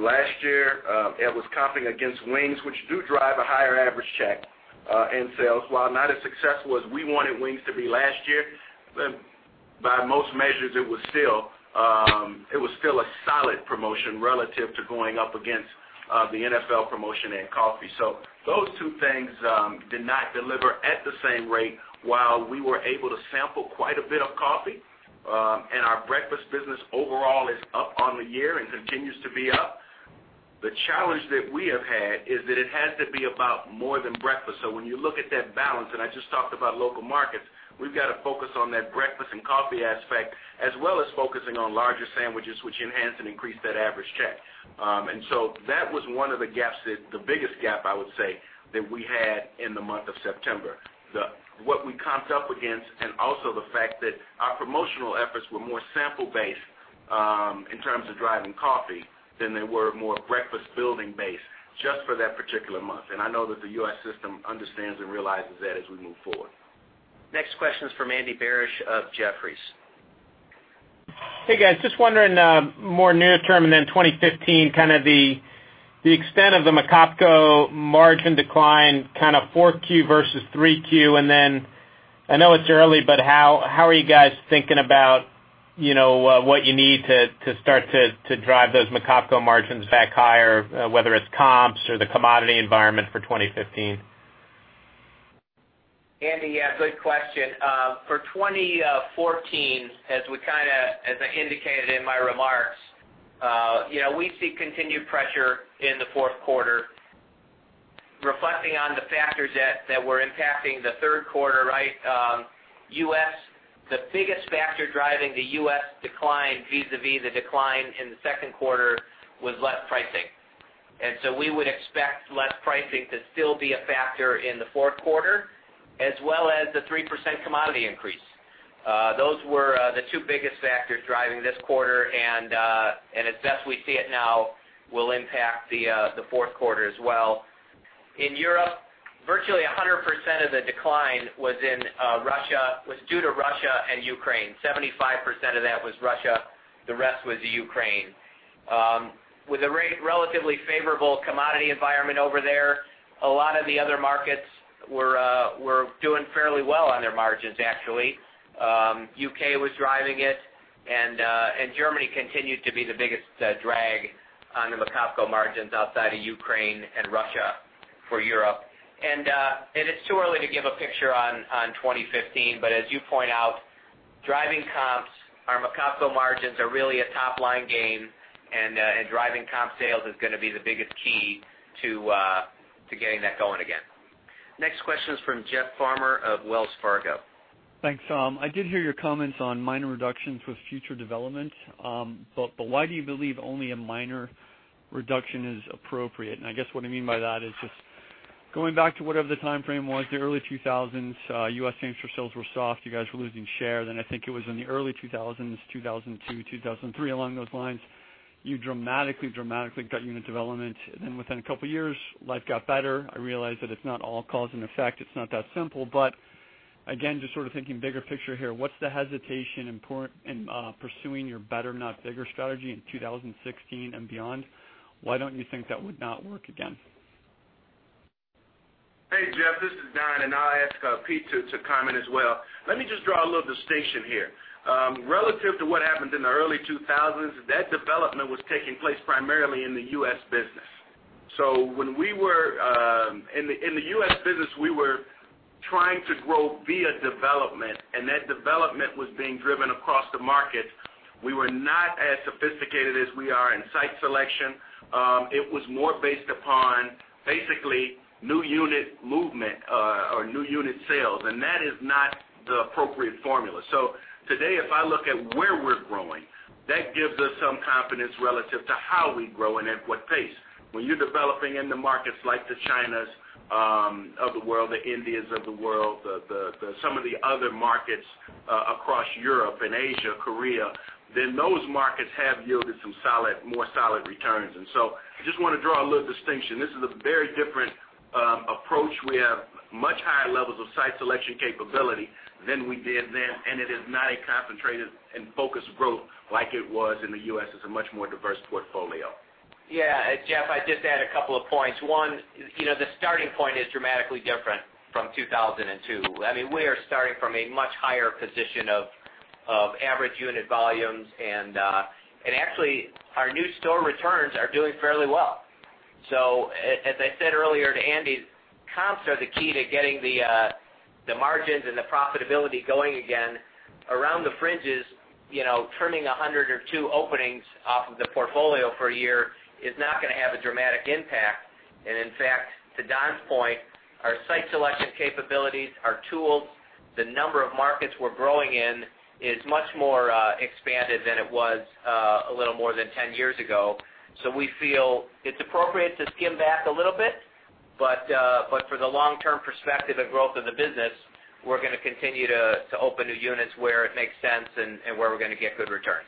Last year, it was competing against wings, which do drive a higher average check in sales. While not as successful as we wanted wings to be last year, by most measures, it was still a solid promotion relative to going up against the NFL promotion and coffee. Those two things did not deliver at the same rate, while we were able to sample quite a bit of coffee. Our breakfast business overall is up on the year and continues to be up. The challenge that we have had is that it has to be about more than breakfast. When you look at that balance, I just talked about local markets, we've got to focus on that breakfast and coffee aspect, as well as focusing on larger sandwiches, which enhance and increase that average check. That was the biggest gap, I would say, that we had in the month of September. What we comped up against and also the fact that our promotional efforts were more sample based in terms of driving coffee than they were more breakfast building based just for that particular month. I know that the U.S. system understands and realizes that as we move forward. Next question is from Andy Barish of Jefferies. Hey, guys, just wondering more near term and then 2015, kind of the extent of the McOpCo margin decline, kind of 4Q versus 3Q, and then I know it's early, but how are you guys thinking about what you need to start to drive those McOpCo margins back higher, whether it's comps or the commodity environment for 2015? Andy, yeah, good question. For 2014, as I indicated in my remarks, we see continued pressure in the fourth quarter reflecting on the factors that were impacting the third quarter. The biggest factor driving the U.S. decline vis-a-vis the decline in the second quarter was less pricing. We would expect less pricing to still be a factor in the fourth quarter, as well as the 3% commodity increase. Those were the two biggest factors driving this quarter, and as best we see it now, will impact the fourth quarter as well. In Europe, virtually 100% of the decline was due to Russia and Ukraine. 75% of that was Russia, the rest was Ukraine. With a relatively favorable commodity environment over there, a lot of the other markets were doing fairly well on their margins, actually. U.K. was driving it. Germany continued to be the biggest drag on the McOpCo margins outside of Ukraine and Russia for Europe. It's too early to give a picture on 2015, but as you point out, driving comps, our McOpCo margins are really a top-line game, driving comp sales is going to be the biggest key to getting that going again. Next question is from Jeff Farmer of Wells Fargo. Thanks. I did hear your comments on minor reductions with future developments. Why do you believe only a minor reduction is appropriate? I guess what I mean by that is just going back to whatever the time frame was, the early 2000s, U.S. same-store sales were soft. You guys were losing share then. I think it was in the early 2000s, 2002, 2003, along those lines, you dramatically got unit development. Within a couple of years, life got better. I realize that it's not all cause and effect. It's not that simple. Again, just sort of thinking bigger picture here, what's the hesitation in pursuing your better, not bigger strategy in 2016 and beyond? Why don't you think that would not work again? Hey, Jeff, this is Don. I'll ask Pete to comment as well. Let me just draw a little distinction here. Relative to what happened in the early 2000s, that development was taking place primarily in the U.S. business. In the U.S. business, we were trying to grow via development, that development was being driven across the markets. We were not as sophisticated as we are in site selection. It was more based upon basically new unit movement or new unit sales, that is not the appropriate formula. Today, if I look at where we're growing, that gives us some confidence relative to how we grow and at what pace. When you're developing in the markets like the Chinas of the world, the Indias of the world, some of the other markets across Europe and Asia, Korea, those markets have yielded some more solid returns. I just want to draw a little distinction. This is a very different approach. We have much higher levels of site selection capability than we did then, and it is not a concentrated and focused growth like it was in the U.S. It's a much more diverse portfolio. Jeff, I'd just add a couple of points. One, the starting point is dramatically different from 2002. We are starting from a much higher position of average unit volumes. Actually, our new store returns are doing fairly well. As I said earlier to Andy, comps are the key to getting the margins and the profitability going again. Around the fringes, trimming 100 or two openings off of the portfolio for a year is not going to have a dramatic impact. In fact, to Don's point, our site selection capabilities, our tools, the number of markets we're growing in is much more expanded than it was a little more than 10 years ago. We feel it's appropriate to skim back a little bit, but for the long-term perspective of growth of the business, we're going to continue to open new units where it makes sense and where we're going to get good returns.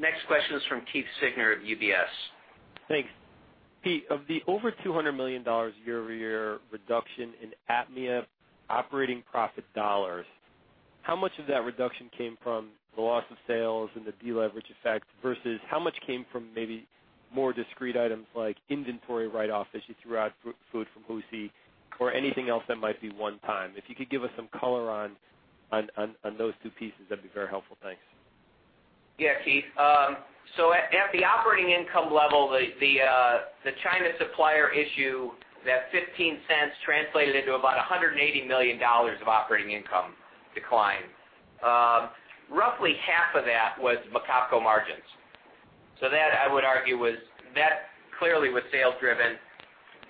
Next question is from Keith Siegner of UBS. Thanks. Pete, of the over $200 million year-over-year reduction in APMEA operating profit dollars, how much of that reduction came from the loss of sales and the deleverage effect, versus how much came from maybe more discrete items like inventory write-offs as you threw out food from Husi, or anything else that might be one time? If you could give us some color on those two pieces, that'd be very helpful. Thanks. Yeah, Keith. At the operating income level, the China supplier issue, that $0.15 translated into about $180 million of operating income decline. Roughly half of that was McOpCo margins. That I would argue was clearly sales driven.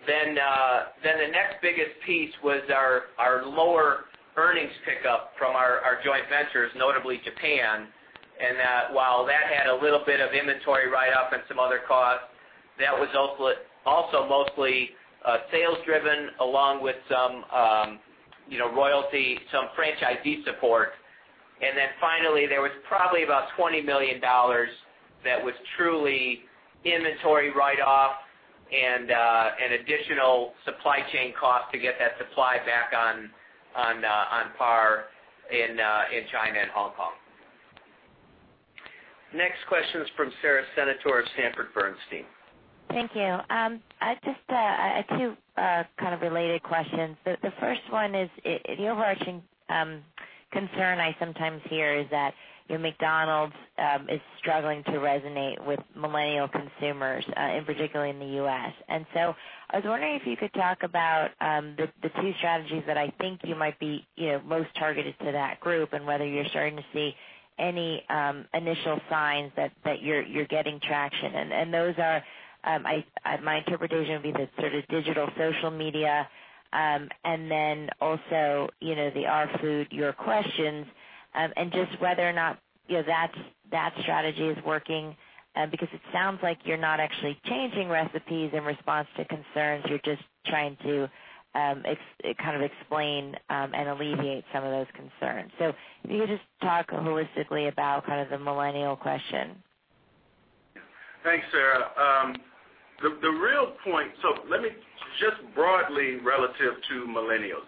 The next biggest piece was our lower earnings pickup from our joint ventures, notably Japan. While that had a little bit of inventory write-off and some other costs, that was also mostly sales driven, along with some royalty, some franchisee support. Finally, there was probably about $20 million that was truly inventory write-off and additional supply chain costs to get that supply back on par in China and Hong Kong. Next question is from Sara Senatore of Sanford Bernstein. Thank you. I have just two kind of related questions. The first one is, the overarching concern I sometimes hear is that McDonald's is struggling to resonate with millennial consumers, in particular in the U.S. I was wondering if you could talk about the two strategies that I think you might be most targeted to that group, and whether you're starting to see any initial signs that you're getting traction. Those are, my interpretation would be the sort of digital social media, then also, the Our Food, Your Questions. Just whether or not that strategy is working, because it sounds like you're not actually changing recipes in response to concerns. You're just trying to kind of explain and alleviate some of those concerns. If you could just talk holistically about kind of the millennial question. Thanks, Sara. Let me just broadly, relative to millennials.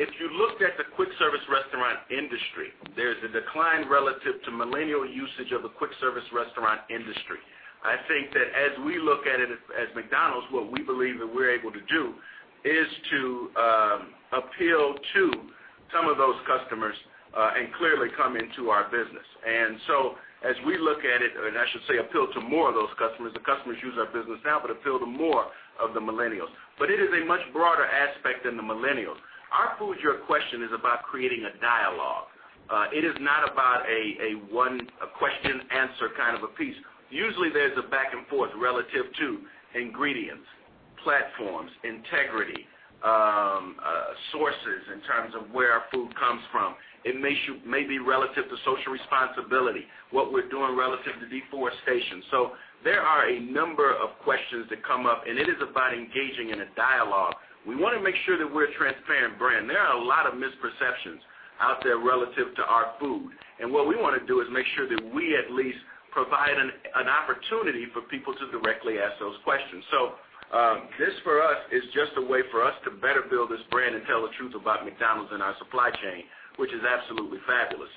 If you looked at the quick service restaurant industry, there's a decline relative to millennial usage of the quick service restaurant industry. I think that as we look at it as McDonald's, what we believe that we're able to do is to appeal to some of those customers and clearly come into our business. As we look at it, and I should say appeal to more of those customers, the customers use our business now, but appeal to more of the millennials. It is a much broader aspect than the millennials. Our Food, Your Questions is about creating a dialogue. It is not about a question-answer kind of a piece. Usually, there's a back and forth relative to ingredients, platforms, integrity, sources in terms of where our food comes from. It may be relative to social responsibility, what we're doing relative to deforestation. There are a number of questions that come up, and it is about engaging in a dialogue. We want to make sure that we're a transparent brand. There are a lot of misperceptions out there relative to our food, and what we want to do is make sure that we at least provide an opportunity for people to directly ask those questions. This, for us, is just a way for us to better build this brand and tell the truth about McDonald's and our supply chain, which is absolutely fabulous.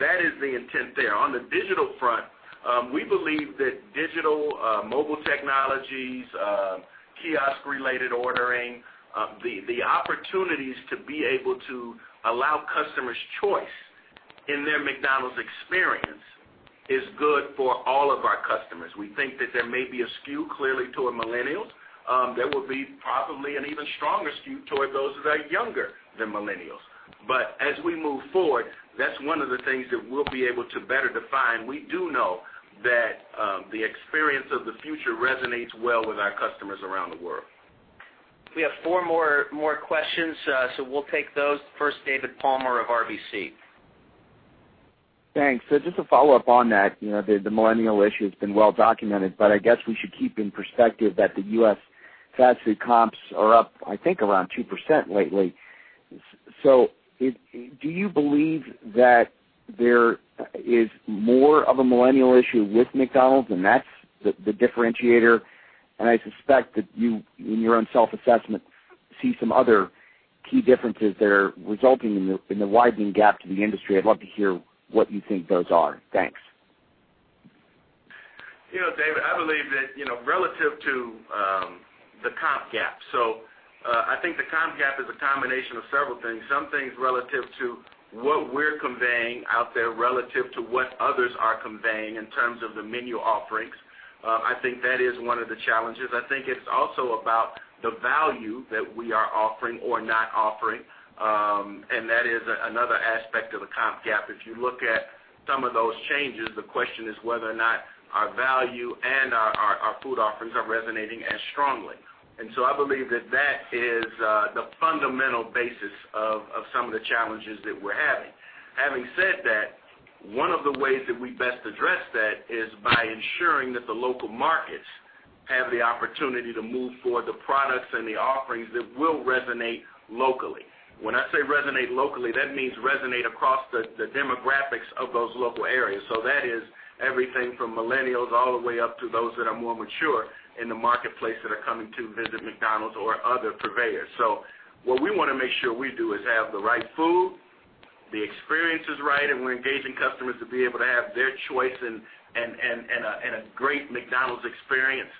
That is the intent there. On the digital front, we believe that digital mobile technologies, kiosk-related ordering, the opportunities to be able to allow customers choice in their McDonald's experience is good for all of our customers. We think that there may be a skew clearly toward millennials. There will be probably an even stronger skew toward those that are younger than millennials. As we move forward, that's one of the things that we'll be able to better define. We do know that the Experience of the Future resonates well with our customers around the world. We have four more questions. We'll take those. First, David Palmer of RBC. Thanks. Just a follow-up on that. The millennial issue has been well-documented. I guess we should keep in perspective that the U.S. fast food comps are up, I think around 2% lately. Do you believe that there is more of a millennial issue with McDonald's, and that's the differentiator? I suspect that you, in your own self-assessment, see some other key differences there resulting in the widening gap to the industry. I'd love to hear what you think those are. Thanks. David, I believe that relative to the comp gap. I think the comp gap is a combination of several things. Some things relative to what we're conveying out there relative to what others are conveying in terms of the menu offerings. I think that is one of the challenges. I think it's also about the value that we are offering or not offering. That is another aspect of the comp gap. If you look at some of those changes, the question is whether or not our value and our food offerings are resonating as strongly. I believe that is the fundamental basis of some of the challenges that we're having. Having said that, one of the ways that we best address that is by ensuring that the local markets have the opportunity to move forward the products and the offerings that will resonate locally. When I say resonate locally, that means resonate across the demographics of those local areas. That is everything from millennials all the way up to those that are more mature in the marketplace that are coming to visit McDonald's or other purveyors. What we want to make sure we do is have the right food, the experience is right, and we're engaging customers to be able to have their choice and a great McDonald's experience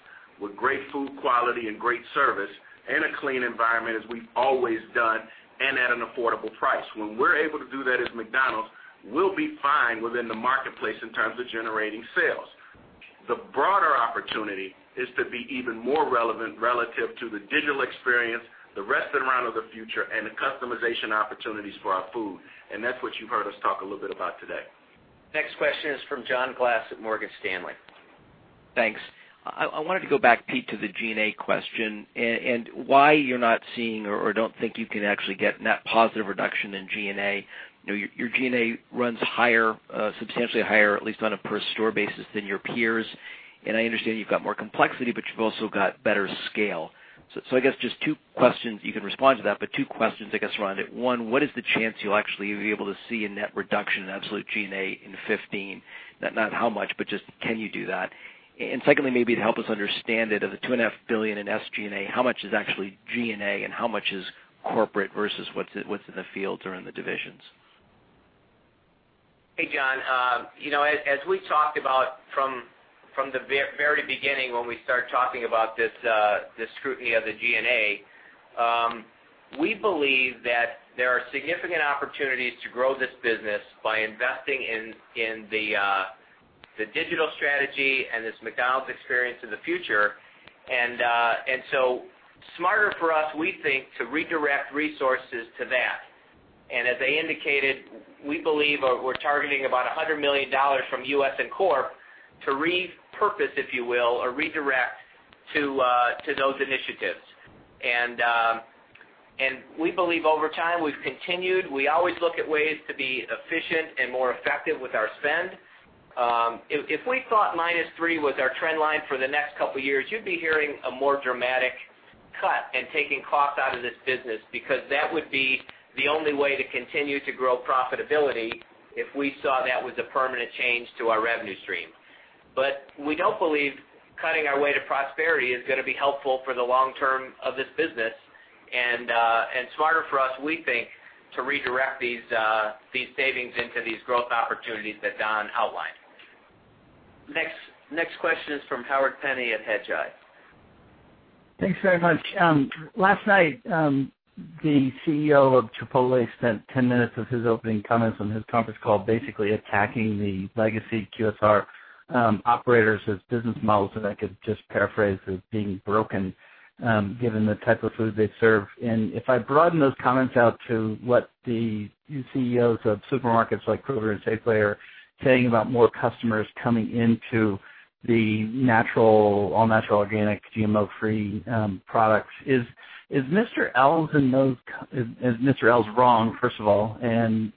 with great food quality and great service and a clean environment as we've always done and at an affordable price. When we're able to do that as McDonald's, we'll be fine within the marketplace in terms of generating sales. The broader opportunity is to be even more relevant relative to the digital experience, the Experience of the Future, and the customization opportunities for our food. That's what you heard us talk a little bit about today. Next question is from John Glass at Morgan Stanley. Thanks. I wanted to go back, Pete, to the G&A question and why you're not seeing or don't think you can actually get net positive reduction in G&A. Your G&A runs higher, substantially higher, at least on a per store basis, than your peers. I understand you've got more complexity, but you've also got better scale. I guess just two questions. You can respond to that, but two questions, I guess, around it. One, what is the chance you'll actually be able to see a net reduction in absolute G&A in 2015? Not how much, but just can you do that? Secondly, maybe to help us understand it, of the $2.5 billion in SG&A, how much is actually G&A and how much is corporate versus what's in the fields or in the divisions? Hey, John. As we talked about from the very beginning when we started talking about this scrutiny of the G&A, we believe that there are significant opportunities to grow this business by investing in the digital strategy and this Experience of the Future. Smarter for us, we think, to redirect resources to that. As I indicated, we believe we're targeting about $100 million from U.S. and Corp to repurpose, if you will, or redirect to those initiatives. We believe over time, we've continued. We always look at ways to be efficient and more effective with our spend. If we thought minus three was our trend line for the next couple of years, you'd be hearing a more dramatic cut and taking cost out of this business because that would be the only way to continue to grow profitability if we saw that was a permanent change to our revenue stream. We don't believe cutting our way to prosperity is going to be helpful for the long term of this business and smarter for us, we think, to redirect these savings into these growth opportunities that Don outlined. Next question is from Howard Penney at Hedgeye. Thanks very much. Last night, the CEO of Chipotle spent 10 minutes of his opening comments on his conference call basically attacking the legacy QSR operators as business models that I could just paraphrase as being broken given the type of food they serve. If I broaden those comments out to what the CEOs of supermarkets like Kroger and Safeway are saying about more customers coming into the all-natural, organic, GMO-free products. Is Mr. Ells wrong, first of all? There's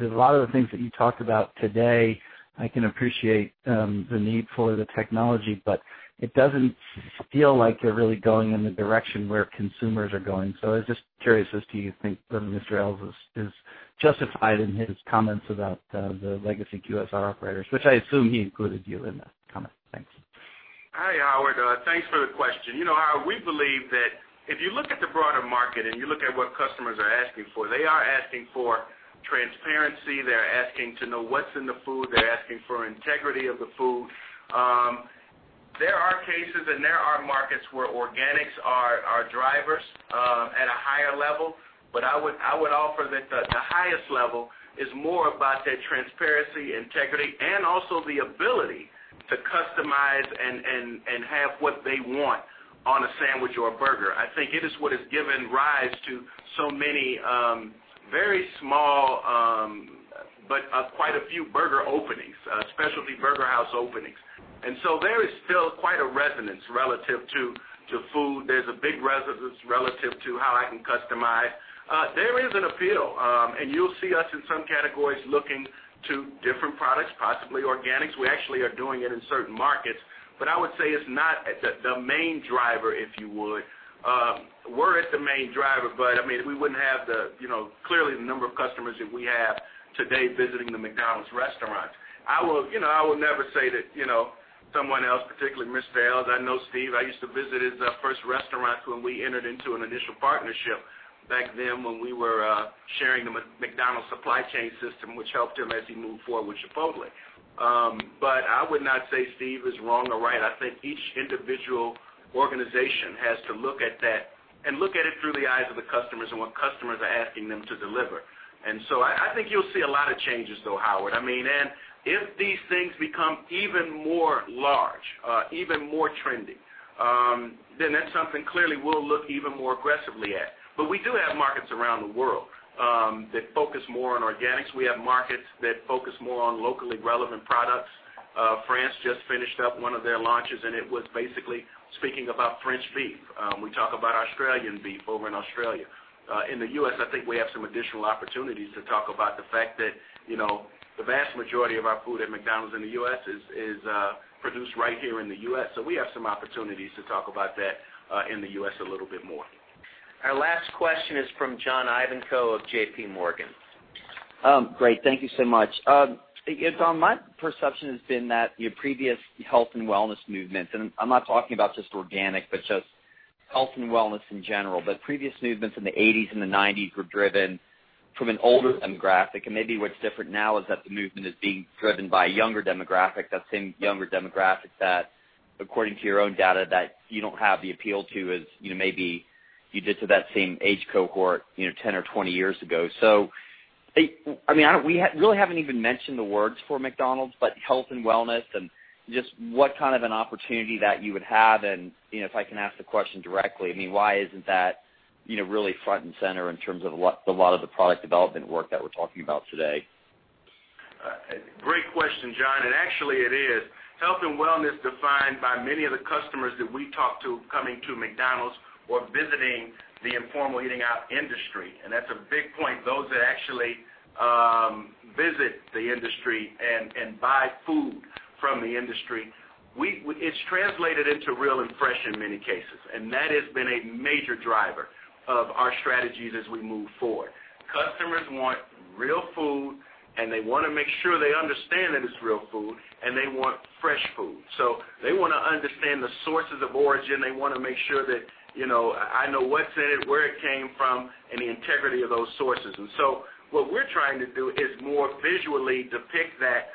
a lot of the things that you talked about today, I can appreciate the need for the technology, but it doesn't feel like you're really going in the direction where consumers are going. I was just curious as to you think that Mr. Ells is justified in his comments about the legacy QSR operators, which I assume he included you in that comment. Thanks. Hi, Howard. Thanks for the question. Howard, we believe that if you look at the broader market and you look at what customers are asking for, they are asking for transparency. They're asking to know what's in the food. They're asking for integrity of the food. There are cases and there are markets where organics are drivers at a higher level. I would offer that the highest level is more about that transparency, integrity, and also the ability to customize and have what they want on a sandwich or a burger. I think it is what has given rise to so many very small but quite a few burger openings, specialty burger house openings. There is still quite a resonance relative to food. There's a big resonance relative to how I can customize. There is an appeal and you'll see us in some categories looking to different products, possibly organics. We actually are doing it in certain markets, but I would say it's not the main driver, if you would. We're at the main driver, but we wouldn't have clearly the number of customers that we have today visiting the McDonald's restaurant. I would never say that someone else, particularly Mr. Ells. I know Steve. I used to visit his first restaurant when we entered into an initial partnership back then when we were sharing the McDonald's supply chain system, which helped him as he moved forward with Chipotle. I would not say Steve is wrong or right. I think each individual organization has to look at that And look at it through the eyes of the customers and what customers are asking them to deliver. I think you'll see a lot of changes, though, Howard. If these things become even more large, even more trending, then that's something clearly we'll look even more aggressively at. We do have markets around the world that focus more on organics. We have markets that focus more on locally relevant products. France just finished up one of their launches, and it was basically speaking about French beef. We talk about Australian beef over in Australia. In the U.S., I think we have some additional opportunities to talk about the fact that the vast majority of our food at McDonald's in the U.S. is produced right here in the U.S. We have some opportunities to talk about that in the U.S. a little bit more. Our last question is from John Ivankoe of JPMorgan. Great. Thank you so much. Don, my perception has been that your previous health and wellness movement, and I'm not talking about just organic, but just health and wellness in general. Previous movements in the '80s and the '90s were driven from an older demographic. Maybe what's different now is that the movement is being driven by a younger demographic. That same younger demographic that, according to your own data, that you don't have the appeal to as maybe you did to that same age cohort 10 or 20 years ago. We really haven't even mentioned the words for McDonald's, but health and wellness and just what kind of an opportunity that you would have, and if I can ask the question directly, why isn't that really front and center in terms of a lot of the product development work that we're talking about today? Great question, John. Actually, it is. Health and wellness defined by many of the customers that we talk to coming to McDonald's or visiting the informal eating out industry, and that's a big point. Those that actually visit the industry and buy food from the industry. It's translated into real and fresh in many cases, and that has been a major driver of our strategies as we move forward. Customers want real food, and they want to make sure they understand that it's real food, and they want fresh food. They want to understand the sources of origin. They want to make sure that I know what's in it, where it came from, and the integrity of those sources. What we're trying to do is more visually depict that,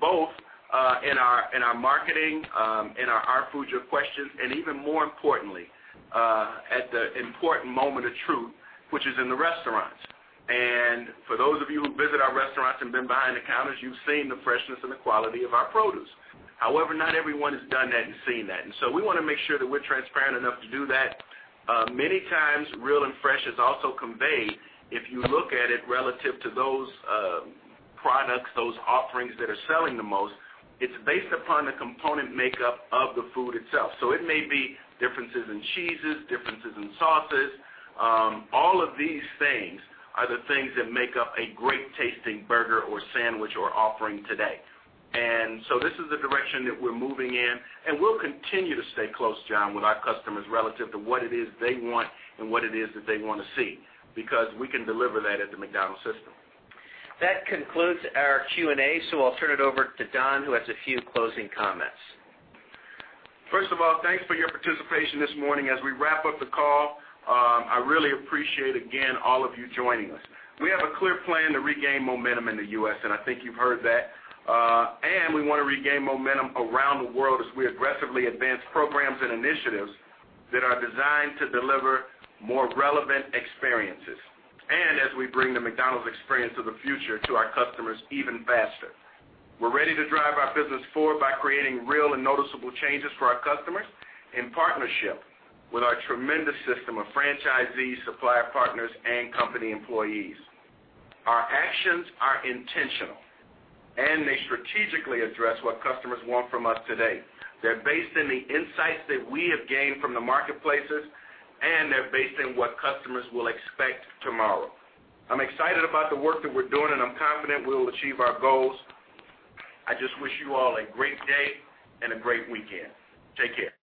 both in our marketing, in our Our Food, Your Questions, and even more importantly, at the important moment of truth, which is in the restaurants. For those of you who visit our restaurants and been behind the counters, you've seen the freshness and the quality of our produce. However, not everyone has done that and seen that. So we want to make sure that we're transparent enough to do that. Many times, real and fresh is also conveyed if you look at it relative to those products, those offerings that are selling the most, it's based upon the component makeup of the food itself. So it may be differences in cheeses, differences in sauces. All of these things are the things that make up a great-tasting burger or sandwich we're offering today. This is the direction that we're moving in, and we'll continue to stay close, John, with our customers relative to what it is they want and what it is that they want to see, because we can deliver that at the McDonald's system. That concludes our Q&A, so I'll turn it over to Don, who has a few closing comments. First of all, thanks for your participation this morning. As we wrap up the call, I really appreciate, again, all of you joining us. We have a clear plan to regain momentum in the U.S., and I think you've heard that. We want to regain momentum around the world as we aggressively advance programs and initiatives that are designed to deliver more relevant experiences. As we bring the McDonald's Experience of the Future to our customers even faster. We're ready to drive our business forward by creating real and noticeable changes for our customers in partnership with our tremendous system of franchisees, supplier partners, and company employees. Our actions are intentional, they strategically address what customers want from us today. They're based on the insights that we have gained from the marketplaces, they're based on what customers will expect tomorrow. I'm excited about the work that we're doing, and I'm confident we will achieve our goals. I just wish you all a great day and a great weekend. Take care.